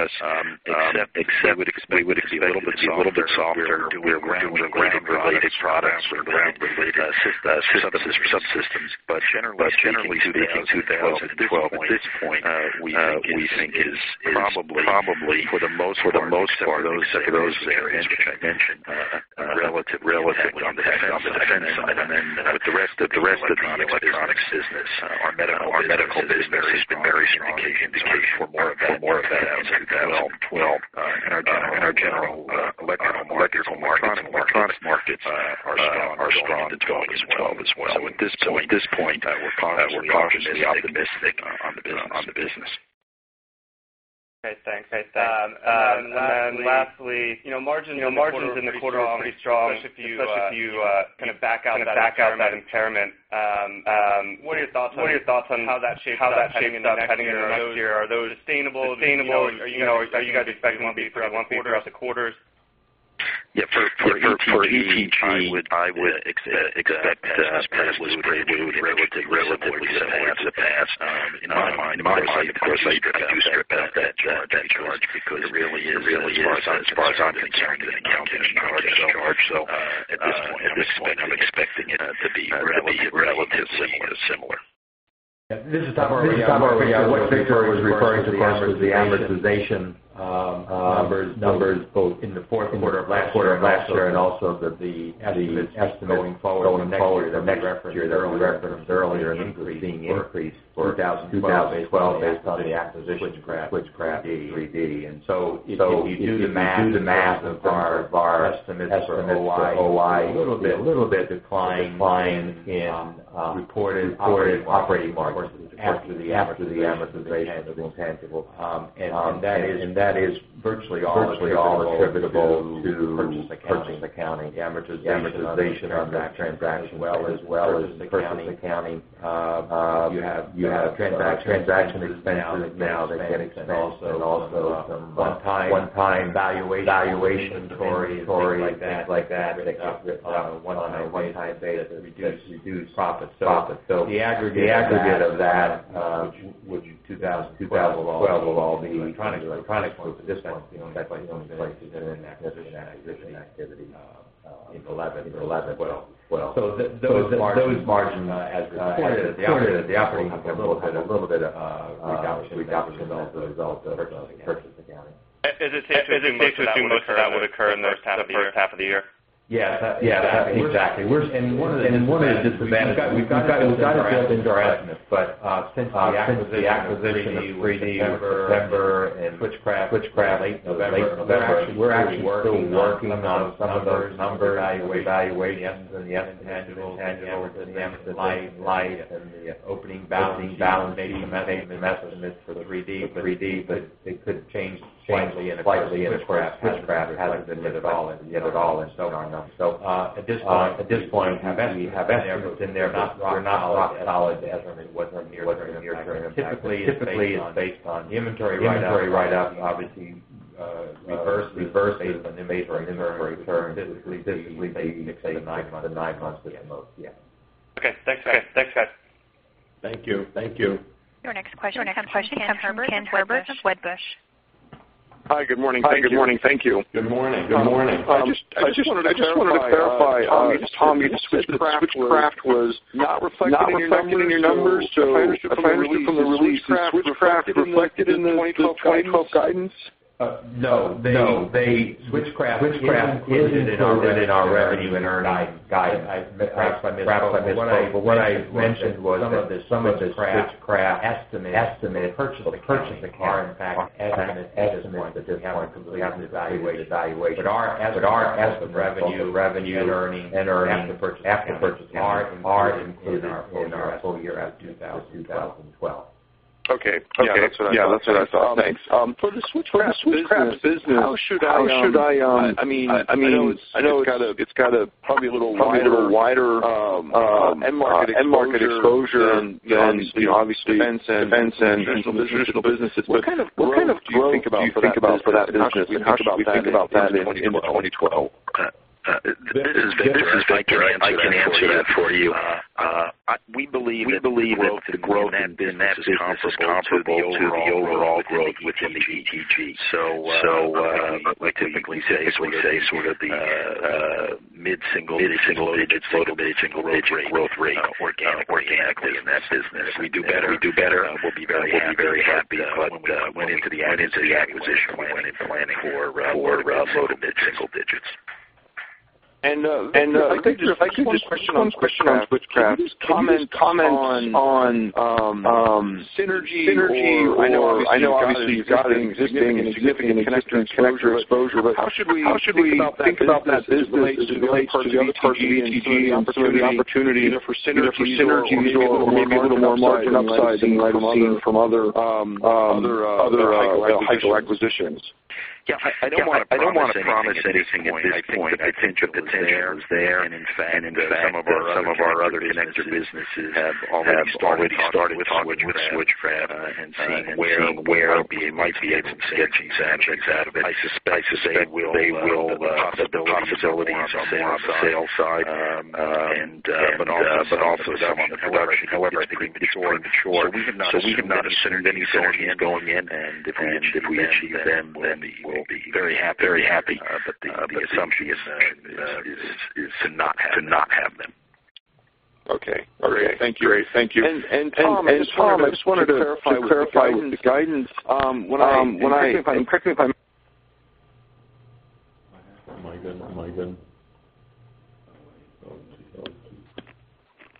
us, except we're do our ground-related products, our ground-related subsystems. Generally, at this point, we think probably for the most part, those are relative [on the defense side]. The rest of the, our medical business has been very strongly indicated for more of that as well. Our general electrical markets are strong as well. At this point, we're probably officially the best on the business. Okay, thanks. Lastly, you know margins in the quarter are pretty strong. If you kind of back out of that impairment, what are your thoughts on how that shapes up heading into the next year? Are those sustainable? Are you guys expecting it to be throughout the quarters? Yeah. For ETG, I would expect that pass. In my mind, I couldn't doubt that because it really is on the. At this point, I'm expecting it to be relatively similar. Yeah. [This is topic], what Victor was referring to of course was the amortization numbers both in the fourth quarter of last year and also the estimate going forward. Their own record of their earlier increase for 2012 based on the acquisition graph. If you do the math of our estimates for OY, a little bit declined in reported operating margins after the amortization of [intangible]. That is virtually all attributable to accounting amortization on that transaction, as well as the [current] accounting. You have transaction expenses now that also have some one-time valuation inventory like that, that allow a one-time way type data that reduces profits. The aggregate of that would be, 2012 all being Electronics Group. This one's activity in 2011. Those margins as the opportunity. Is it safe to assume that that would occur in the top of the year? Yeah, exactly. One of the disadvantages is, we've got to jump into our estimates. Since the acquisition of 3D Plus, and Switchcraft, we're actually still working on some of those numbers. I would evaluate the intangible and the opening balance, maybe the estimates for the 3D. It could change slightly. Switchcraft hasn't been there at all, and so on and on. At this point, I bet everything there are not solid estimates. Typically, it's based on inventory write-out, and obviously reverse days of the new inventory. Typically, nine months at the most. Yeah. Okay. Thanks, guys. Thank you. Your next question comes from Ken Herbert with Wedbush. Hi. Good morning. Thank you. Good morning. I just wanted to clarify, Tom, Switchcraft was not reflected in your numbers the release. Switchcraft wasn't reflected in the 2012 guidance? No. Switchcraft isn't in our revenue and. What I mentioned was, some of the Switchcraft estimates purchased are in fact estimates that didn't have a completely evaluated valuation. Our estimate revenue and earnings after purchasing are in our full of 2012. Okay. Yeah, that's what I thought. Thanks. For the Switchcraft business, I know it's got probably a little wider end market exposure than obviously business. What do you think about that business? You talked about that in 2012. I can answer that for you. We believe growth had been less comparable to the overall growth within the ETG. What I typically say, is we say sort of the mid-single digits or the mid-single digits growth rate organically in that business. If we do better, we'll be very happy. I went into the acquisition planning for the mid-single digits. I think one question on Switchcraft's comments on synergy. I know obviously you've got an existing and exposure, but how should we think about that as it relates to the other part of the ETG, and particularly the opportunity there for synergy or maybe a little more market upside than from other hyper acquisitions? Yeah. I don't want to promise anything at this point. I think that's there, and in fact, some of our other connected businesses have strongly with Switchcraft, and seeing where it might be. I suspect that they will. The offers out. We have not asserted anything going in. If we achieve them, then we'll be very happy. The assumption is to not have them. Okay. Thank you. Tom, I just wanted to clarify the guidance.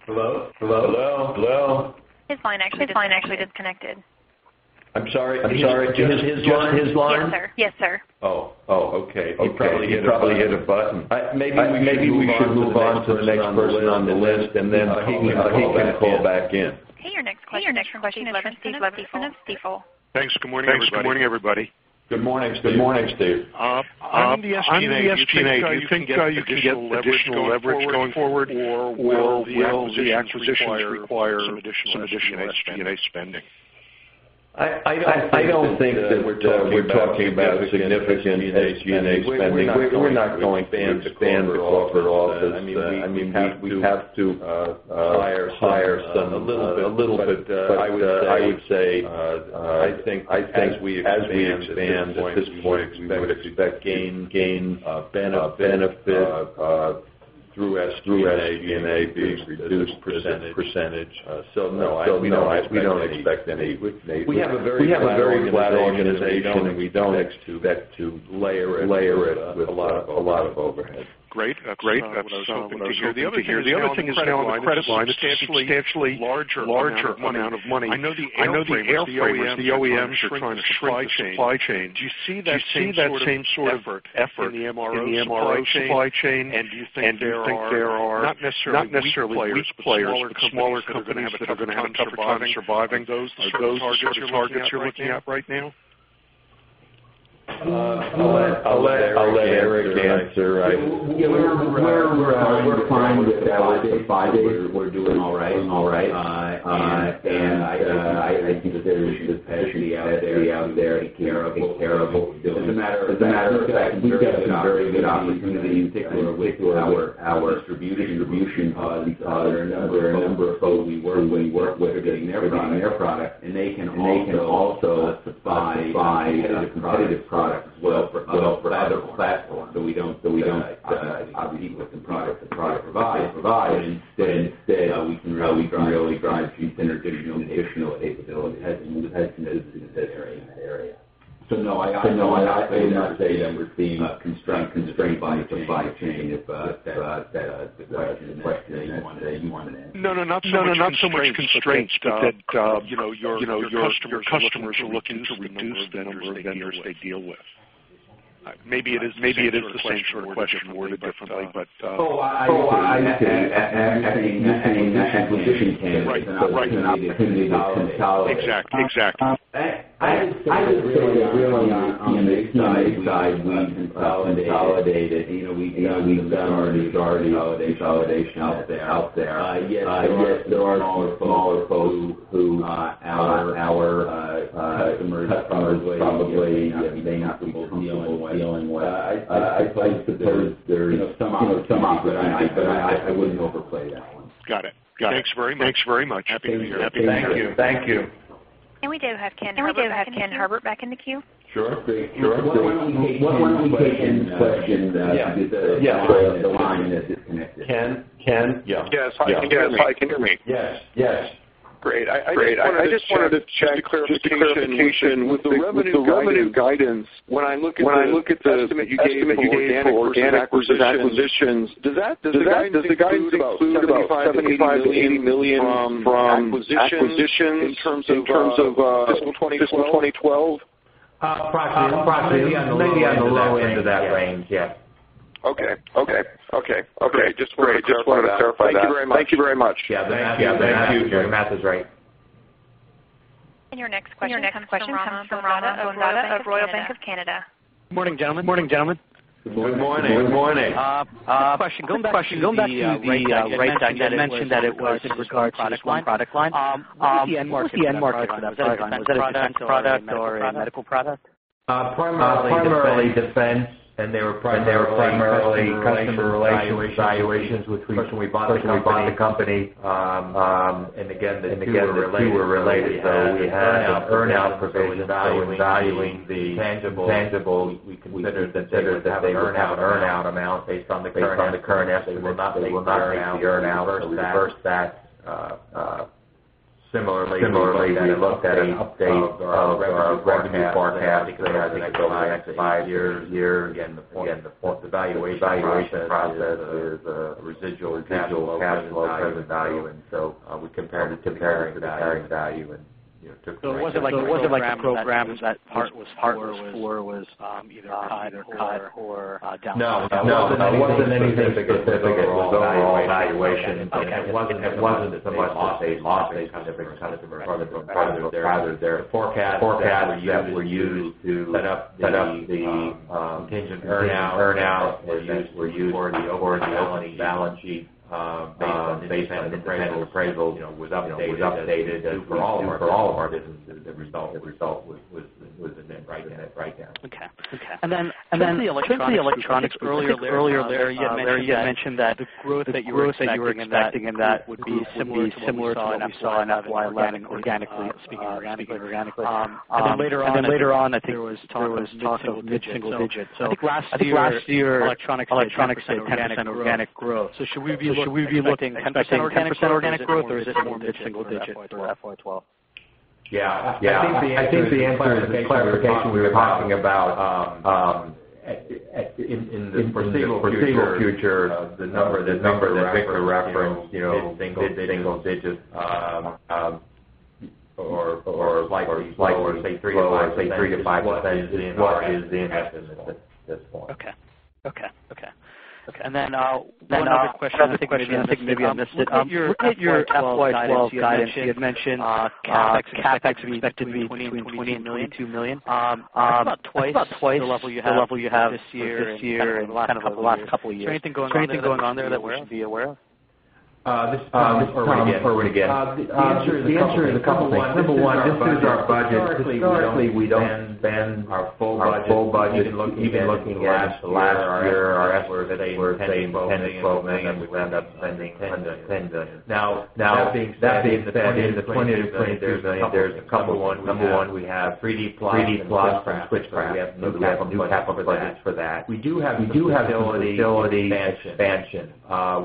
Hello. His phone actually is disconnected. I'm sorry. his line? Yes, sir. Okay. He probably hit a button. Maybe we should move on to the next person on the list, and then he can call back in. Okay. Your next question comes from. Thanks. Good morning, everybody. Good morning, Steve. On the SG&A, I think to get leverage going forward, will the acquisition require some additional SG&A spending? I don't think that we're talking about a significant SG&A spending. We're not going to ban it off at all. We have to hire some a little bit. I would say, I think as we expand the point, we would expect to gain a benefit through SG&A being a reduced percentage. No, we don't expect any. We have a very flat organization, and we don't expect to layer it with a lot of overhead. Great. That's what I was hoping to hear. The other thing is now on the credit line, the larger amount of money. I know the the OEMs are trying the supply chain. Do you see that same effort in the MRO supply chain? Do you think there are not necessarily unique players looking at right now? I'll let Eric answer. Where we're at, we're doing all right. I think there's a [capacity out there to take care of it]. It's a matter of getting a very good opportunity to take it away to our distribution. We're getting their product, and they can also buy competitive products as well for that platform. We don't obviously the product to provide. We can really drive through synergizing on additional capabilities. No, I would not say that we're seeing a constraint to the supply chain, if that is the message you wanted. No, not so much constraint that your customers are looking to reduce the vendors they deal with. Maybe it is the same sort of question worded differently. I think that the acquisition came with, and I think they just consolidated. Exactly. I was really on the consolidated. You know we've got all the consolidation out there. Yes, there are who are out on our emergency plan. I think that there's some opportunity, but I wouldn't overplay that one. Got it. Thanks very much. Happy to hear that. Thank you. We do have Ken Herbert back in the queue. Sure. What was Ken's question, the line that disconnected? Ken. Yes. Hi, Ken. Yes, great. I just wanted to check a clarification. With the revenue guidance, when I look at the estimate you gave me for organic acquisitions, does the guidance include about $75 million from acquisitions in terms of 2012? Approximately on the low end of that range, yes. Okay. Just wanted to clarify that. Thank you very much. Yeah, the math is right. Your next question comes from Ronda of Royal Bank of Canada. Morning, gentlemen. Good morning. A question, going back to the right side that you mentioned that it was in regard to the product line. The end market, product or a medical product? Primarily defense, and they were primarily customer relationship evaluations when we bought the company. Again, the two were related. We had earnout provision valuing the tangible. We considered that they would have the earnout amount based on the current asset. They [will not now earnout versus that]. Similarly, they looked at an update of our revenue forecast. the five-year again, the valuation process is a residual and [continual cash flow] value. I would compare it to that value and. It wasn't like a program that was either high or down? No, there wasn't anything specific about the valuation. It wasn't that somebody their forecast that were used to set up the intangible earnout or that were used for the balance sheet based on the appraisal that was updated. For all of our businesses, the result was right there. Okay. Earlier, Larry you had mentioned that the growth that you were saying you were expecting in that would be similar to what you saw in FY 2011, organically speaking. Later on, there was talk of mid-single digits. I think last year electronics had 10% organic growth. Should we be looking at 10% organic growth, or is it more mid-single digit for FY 2012? I think the answer is the clarification we were talking about in the foreseeable future. The number that we're referencing is single digit or say, 3%-5% is the estimate at this point. Okay, and then one other question. I think maybe I missed it. Looking at your FY 2012 guidance, you had mentioned CapEx is expected to be $2 million. How about twice the level you have this year and kind of the last couple of years? Is there anything going on there that we ought to be aware of? Let's forward again. The answer is a couple of things. Number one, this is our budget. Currently, we don't spend our full budget even looking at the latter. Now, that being said, $20 million-$23 million, there's a couple of ones. Number one, we have 3D Plus and Switchcraft. We have to [tap up the cash] for that. We do have a facility expansion,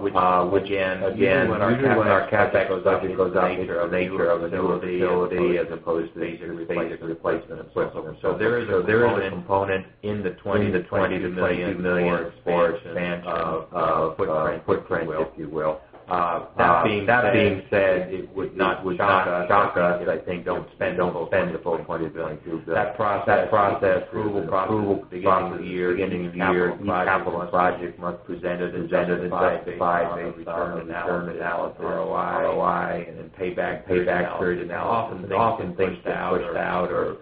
which again, when our CapEx goes up, it goes up because of the facility as opposed to basically replacement. There is a component in the $20 million-$22 million for expansion footprint, if you will. That being said, it would not shock us that [they] don't spend the full $20 million. That approval process beginning of the year, ending the year, ROI and then payback period. Now often they're.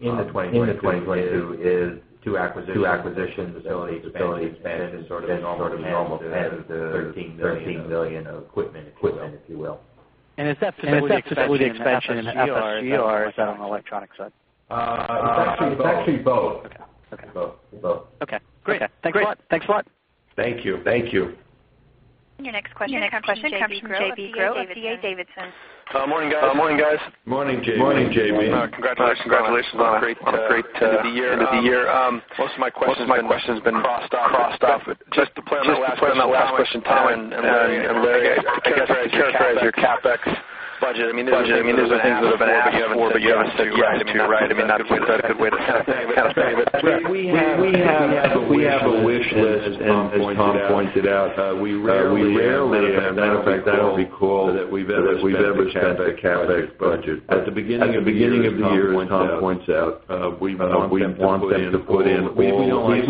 In the 2022, is two acquisitions, two facilities and then sort of a normal expense of the $13 million equipment, if you will. Is that specifically the expansion in the [ERs] on an electronics side? It's actually both. Okay, both. Okay, great. Thanks a lot. Thank you. Your next question comes from J.B Groh, D.A. Davidson. Morning, guys. Morning, J.B. Congratulations on a great end of the year. Most of my questions have been crossed off. Just to play a little last question, Tom and Larry, I guess you characterize your CapEx budget. I mean, there's a hint of a. We have a wish list, and as Tom pointed out, as a matter of fact, I don't recall that we've ever had a CapEx budget. At the beginning of the year, as Tom points out, we've been wanting to put in, we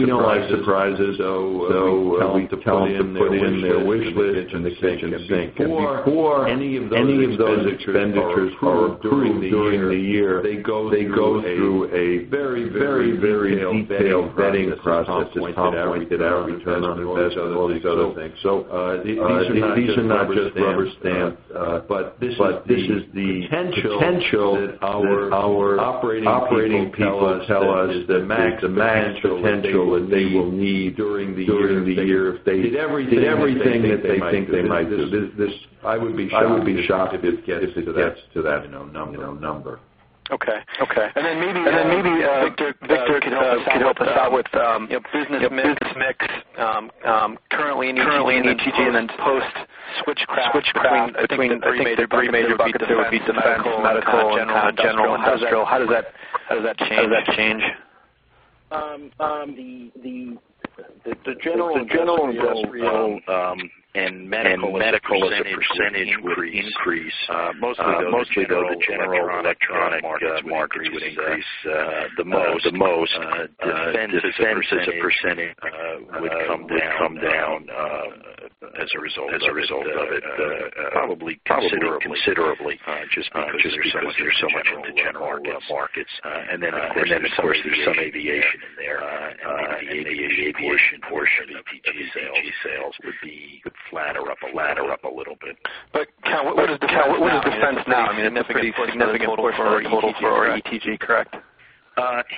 don't like surprises. We've put in their wish list. For any of those expenditures during the year, they go through a very detailed vetting process, as Tom pointed out, and all these other things. These are not just rubber stamps, but this is the potential that our operating people tell us is the max potential that they will need during the year, if they did everything that they think they might do. I would be shocked, I don't think there's a candidacy to that number. Okay. Maybe Victor could help us out with the with business mix currently in ETG, and then post-switch between I think the three major buckets there would be medical, general, and. How does that change? The general and medical as a percentage would increase. Mostly though, the general electronic market would increase the most. Such a percentage would come down as a result of it, probably considerably. Just because there's so much in the market, and then of course, some maybe the aviation portion of ETG sales would be flat or up a little bit. Tom, what is the defense spend now? I mean, enough to be significant for ETG, correct?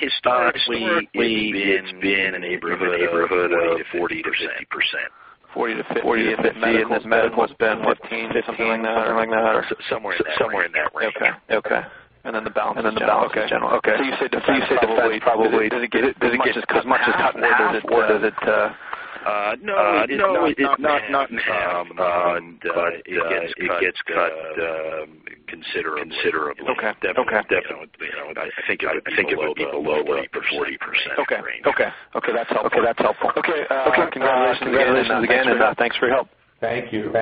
Historically we've been in the neighborhood of, I'd say, 40%. Maybe this medical spend is 15%, something like that. Somewhere in that range. Okay. The balance is general. You said probably, does it get as much as? No, it gets cut considerably. Definitely, I think it would be below the 40% range. Okay, that's helpful. Congratulations again, and thanks for your help. Thank you.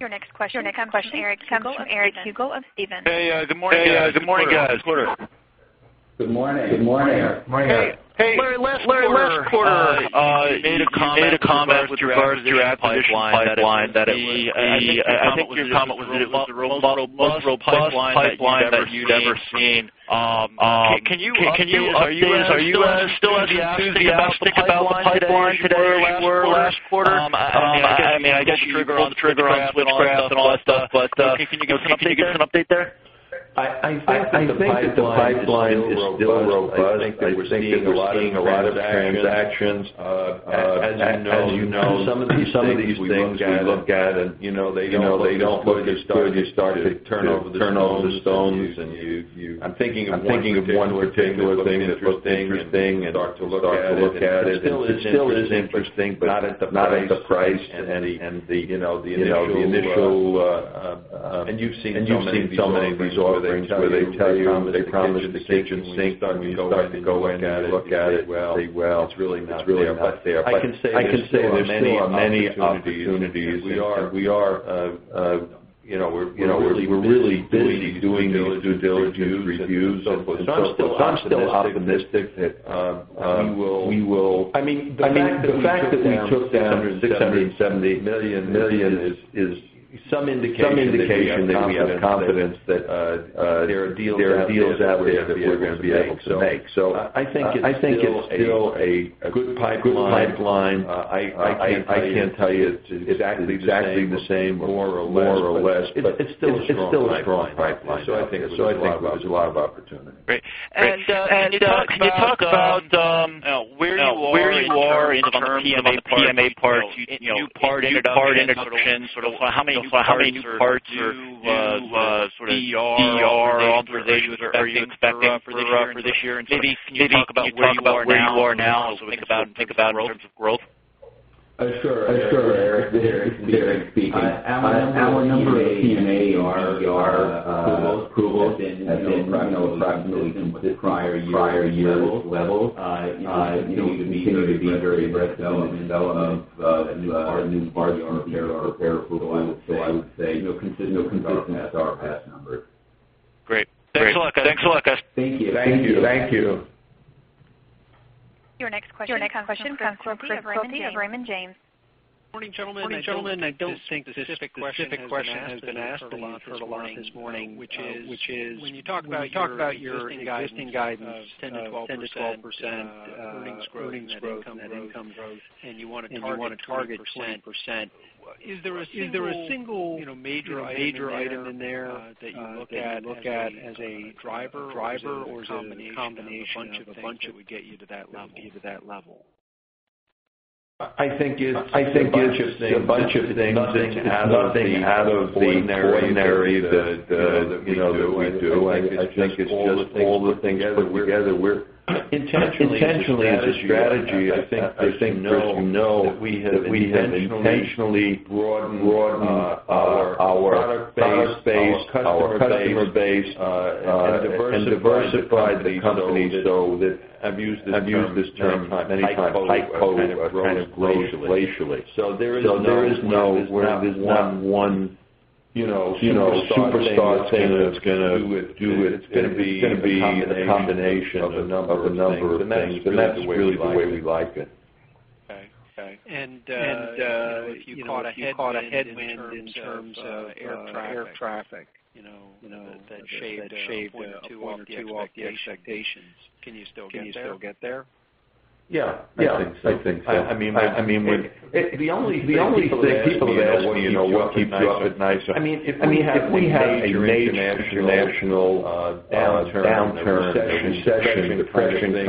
Your next question, Eric of Stevens. Good morning, guys. Good morning. Morning. Hey. Last quarter, you made a comment with regards to your ad pipeline, that I think your comment was that it was the most robust pipeline that you'd ever seen. Are you still as enthusiastic about the pipeline today as you were last quarter? I guess the trigger on, and all that stuff, but can you give us an update there? I think that the pipeline is robust. I think that we're seeing a lot of transactions. As you know, some of these things got looked at, and they don't look as good. You start to turn over the stones. I'm thinking of one more thing that's been to look at. It still is interesting, but not at the price and the initial, and you've seen so many of these offerings where they tell you start to go in and look at it. It's really not there. I can say there's many opportunities. We are really busy doing the due diligence reviews. The fact that we took down $670 million is some indication that we have confidence that there are deals out there that we're going to be able to make. I think it's still a good pipeline. I can't tell you exactly the same or more or less. It's still a pipeline. I think there's a lot of opportunity. Great. You talk about where you are in the [PMA] part, new part in a section, sort of how many new parts or sort of ER authorizations are you expecting for this year? Maybe you talk about where you are now, so we can think about it in terms of growth. our number in PMA are prior year levels. We've been very in the development of a new part. We don't know if our past numbers. Great.. Thanks a lot, guys. Thank you. Your next question comes from of Raymond James. Morning, gentlemen. I don't think the specific question has been asked a lot this morning, which is, when you talk about your 10%-12% earnings growth and income growth, and you want to target 10%, is there a single major item in there that you look at as a driver, or is it a combination of a bunch that would get you to that level? I think it's a bunch of things coming out of the narrative. I think it's all the things together. Intentionally, as a strategy, I think we have intentionally broadened our product base, customer base, and diversified the company so that I've used this term many times before, it grows glacially. We're not this one superstar thing that's going to do it. It's going to be a combination of a number of things. That's really the way we like it. Okay. If you ahead in terms of air traffic, you know that shaped too often expectations, can you still get there? Yeah, I think so. The only thing people would ask is, you know, what keeps you up at night? If we had a major national downturn, recession-type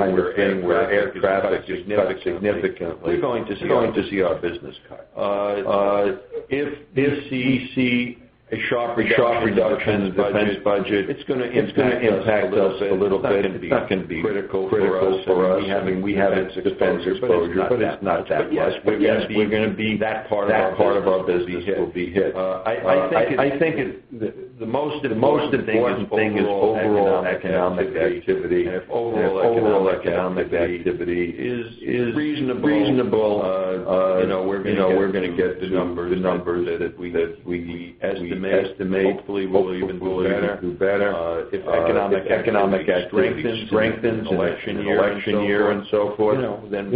of thing, air traffic significantly, we're going to see our business cut. If the CEC sharply goes up in defense budget, it's going to impact us a little bit. It can be critical for us. I mean, we have it, but it's not that much. That part of our business will be hit. I think the most important thing is overall economic activity. Overall economic activity is reasonable. We're going to get the number that we estimate, maybe we'll even do better. If economic activity strengthens, election year and so forth, you know, then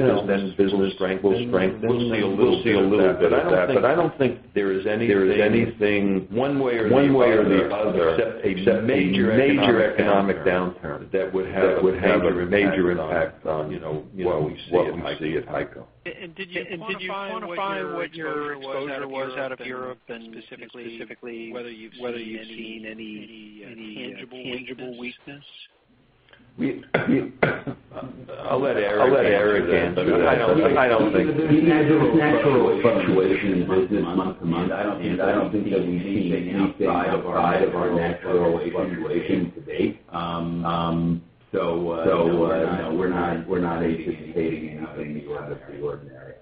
business will strengthen. We'll see a little bit of that. I don't think there is anything, one way or the other, except a major economic downturn that would have a major impact on what we see at HEICO. Did you quantify what was out of Europe, and specifically whether you had any tangible weakness? I'll let Eric answer that. I don't think. There's a natural fluctuation in business month to month. I don't think there's anything outside of our natural fluctuation to date, so we're not anticipating anything out of the ordinary.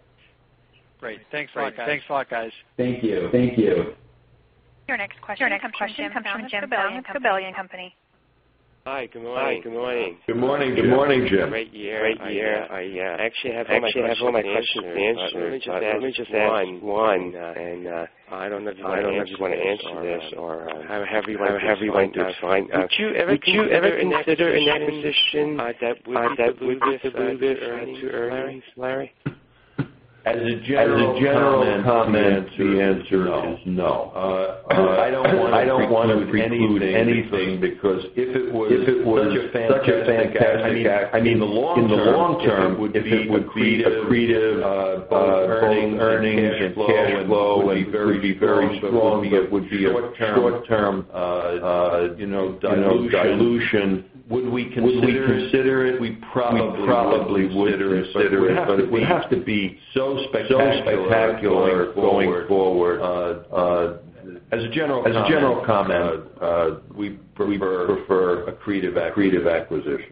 Great. Thanks a lot, guys. Thank you. Your next question comes from Jim Bella with Baird and Company. Hi, good morning. Good morning, Jim. Great year. Yeah, I actually have all my questions answered. Let me just add one. I don't know if you want to answer this. However, Larry? As a general comment, the answer is no. I don't want to preclude anything because if it was such a mean, in the long term, if it would be accretive, growing earnings and cash flow and be very strong, it would be a short-term dilution. Would we consider it? We probably would consider it. It would have to be so spectacular going forward. As a general comment, we prefer accretive acquisitions.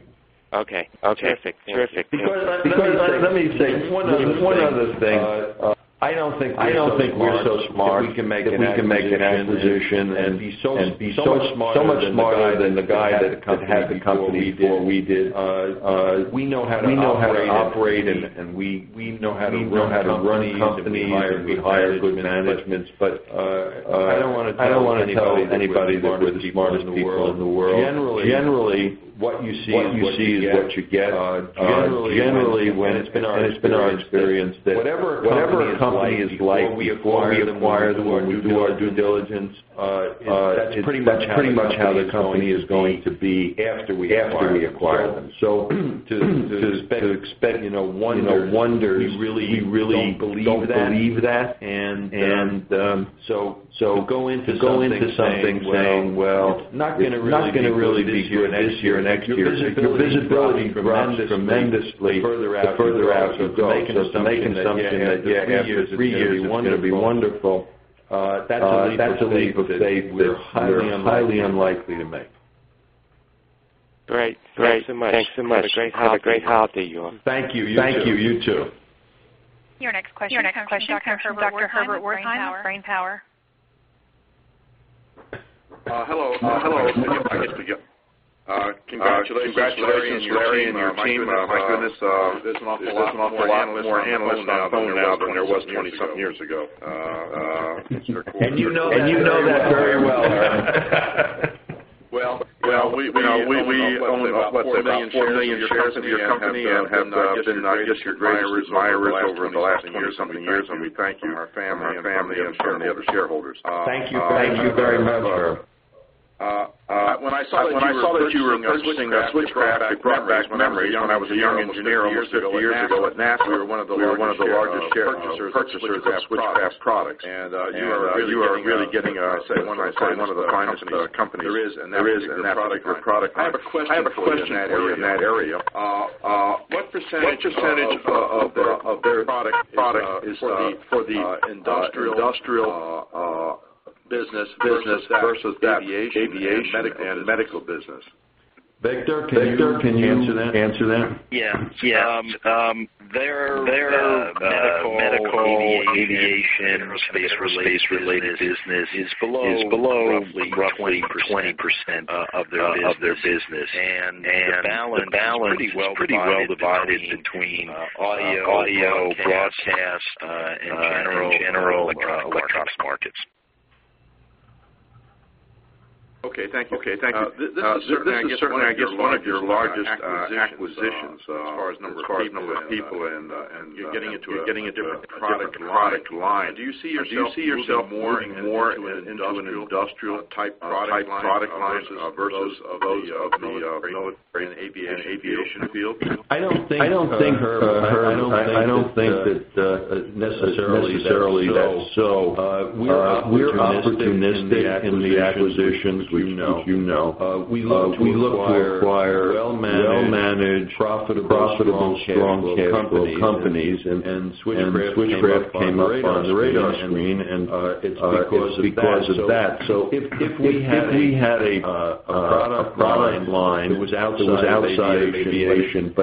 Okay, perfect. Let me say one other thing. I don't think we're so smart. If we can make an acquisition and be so much smarter than the guy that hasn't come to, we know how to operate and we know how to run these companies and we hire good management. I don't want to tell anybody that we're the smartest people in the world. Generally, what you see is what you get. Generally, it's been our experience that whatever a company is like when we acquire them, we do our due diligence, that's pretty much how the company is going to be after we acquire them. To expect wonders, you really believe that? Go into something saying, "Not going to really be good this year or next year." The visibility tremendously further out of making something. It'd be wonderful. That's a leap of faith you're highly unlikely to make. Great. Thanks so much. Have a great holiday, you all. Thank you. You too. Your next question, Dr. Herbert Wertheim, Brain Power. Hello. congratulations to Larry and your team. My friend, there's an awful lot more analysts on the phone now than there was 20-something years ago. You know that very well. We owe $4 million to your company. I've been just your greatest admirer over the last few years, and we thank you, our family and certainly other shareholders. Thank you very much. When I saw that you were purchasing that Switchcraft. When I was a young engineer almost 50 years ago at NASA, we were one of the largest purchasers of Switchcraft products. You are really getting, [as I said], one of the finest company there is in [that product]. I have a question in that area. What percentage of their product is for the industrial business versus aviation and medical business? Victor, can you answer that? Yeah, their medical, aviation space-related business is below roughly 20% of their business, and balance is pretty well divided between audio, broadcast, and general electronics markets. Okay. Thank you. This is certainly, I guess one of your largest acquisitions as far as number of people, and you're getting into a different product line. Do you see yourself more and more in industrial-type product lines versus those in the aviation field? I don't think necessarily. We're opportunistic in the acquisition. As you know, we look to acquire well-managed, profitable, strong companies. Switchcraft came right on the radar screen, and it's because of that. If we had a product line that was outside aviation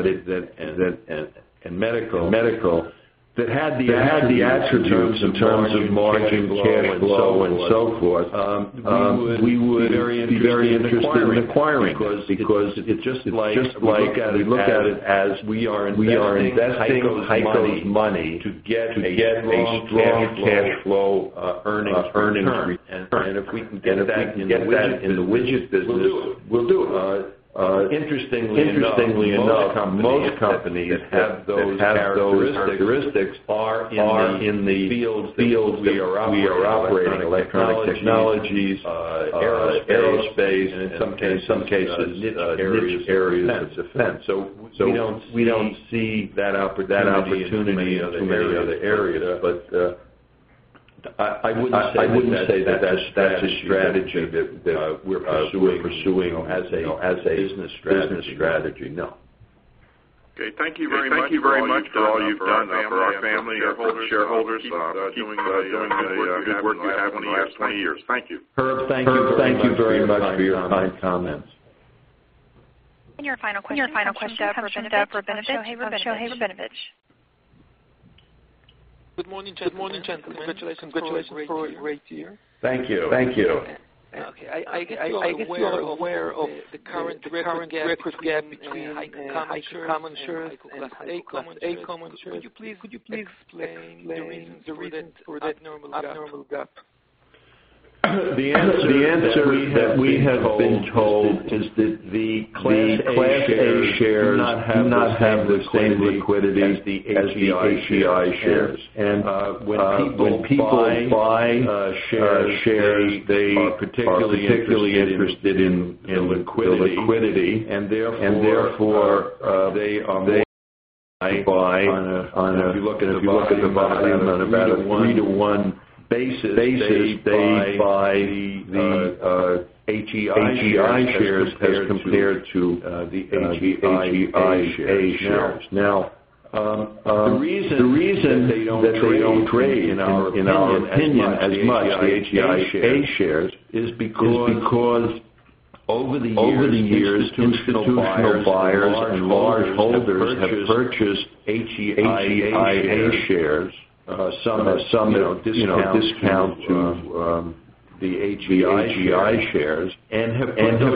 and medical, that had the attributes in terms of margin, cash flow, and so forth, we would be very interested in acquiring because it's just like we look at it as we are investing HEICO's money to get those strong cash flow earnings. If we can get that in the widget business, we'll do it. Interestingly enough, most companies that have those characteristics are in the fields that we are operating in, electronics, technologies, aerospace, and in some cases, areas of defense. We don't see that opportunity in any other area. I wouldn't say that that's a strategy that we're pursuing as a business strategy. No. Okay. Thank you very much. Thank you very much for all you've done for our family, our shareholders, doing the work you have done in the last 20 years. Thank you. Herb, thank you very much for your kind comments. Your final question comes from Dr. Benevich. Good morning, gentlemen. Congratulations for your great year. Thank you. Okay. I guess you are aware of the current gaps we have between HEICO common shares. Would you please explain the reason for that abnormal gap? The answer that we have been told is that the Class A shares do not have the same liquidity as the HEI shares. When people buy shares, they are particularly interested in liquidity. Therefore, if you look at the monthly amount on a one-to-one basis, they buy the HEI shares as compared to the shares. Now, the reason that they don't trade, in our opinion, as much the HEI shares is because over the years, since suppliers and large holders have purchased HEI shares, there are some discount to the HEI shares and have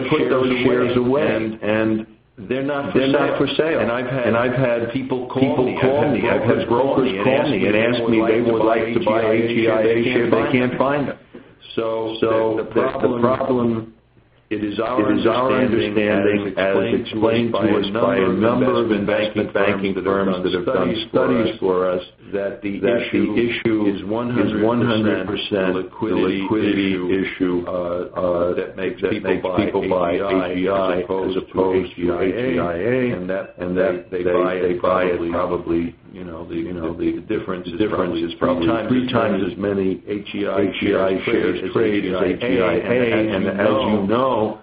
put those shares away, and they're not for sale. I've had people call me. I've had growers call me and ask me, they would like to buy HEI shares, but they can't find them. The problem, it is our understanding, as explained to a number of banking firms that have done studies for us, that the issue is a 100% liquidity issue that makes people buy API as opposed to HEIA. That probably the difference is probably three times as many HEI shares traded as APIA. As you know,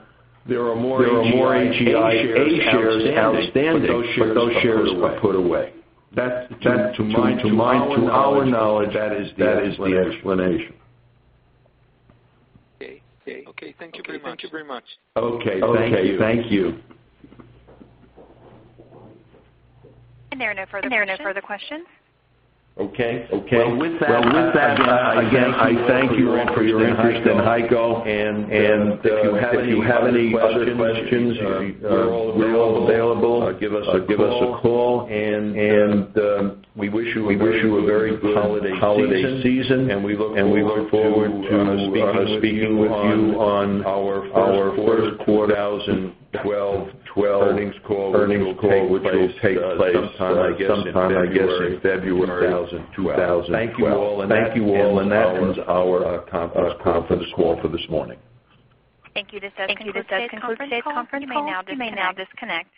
there are more HEI shares outstanding. Those shares were put away. To our knowledge, that is the explanation. Okay. Thank you very much. Okay, thank you. There are no further questions. Okay. With that, I thank you for your interest in HEICO. If you have any other questions, we're all available. Give us a call. We wish you a very good holiday season. We look forward to speaking with you on our quarter 2012 earnings call, which will take place sometime, I guess, in February 2012. Thank you all. That ends our conference call for this morning. Thank you. This does conclude today's conference. You may now disconnect.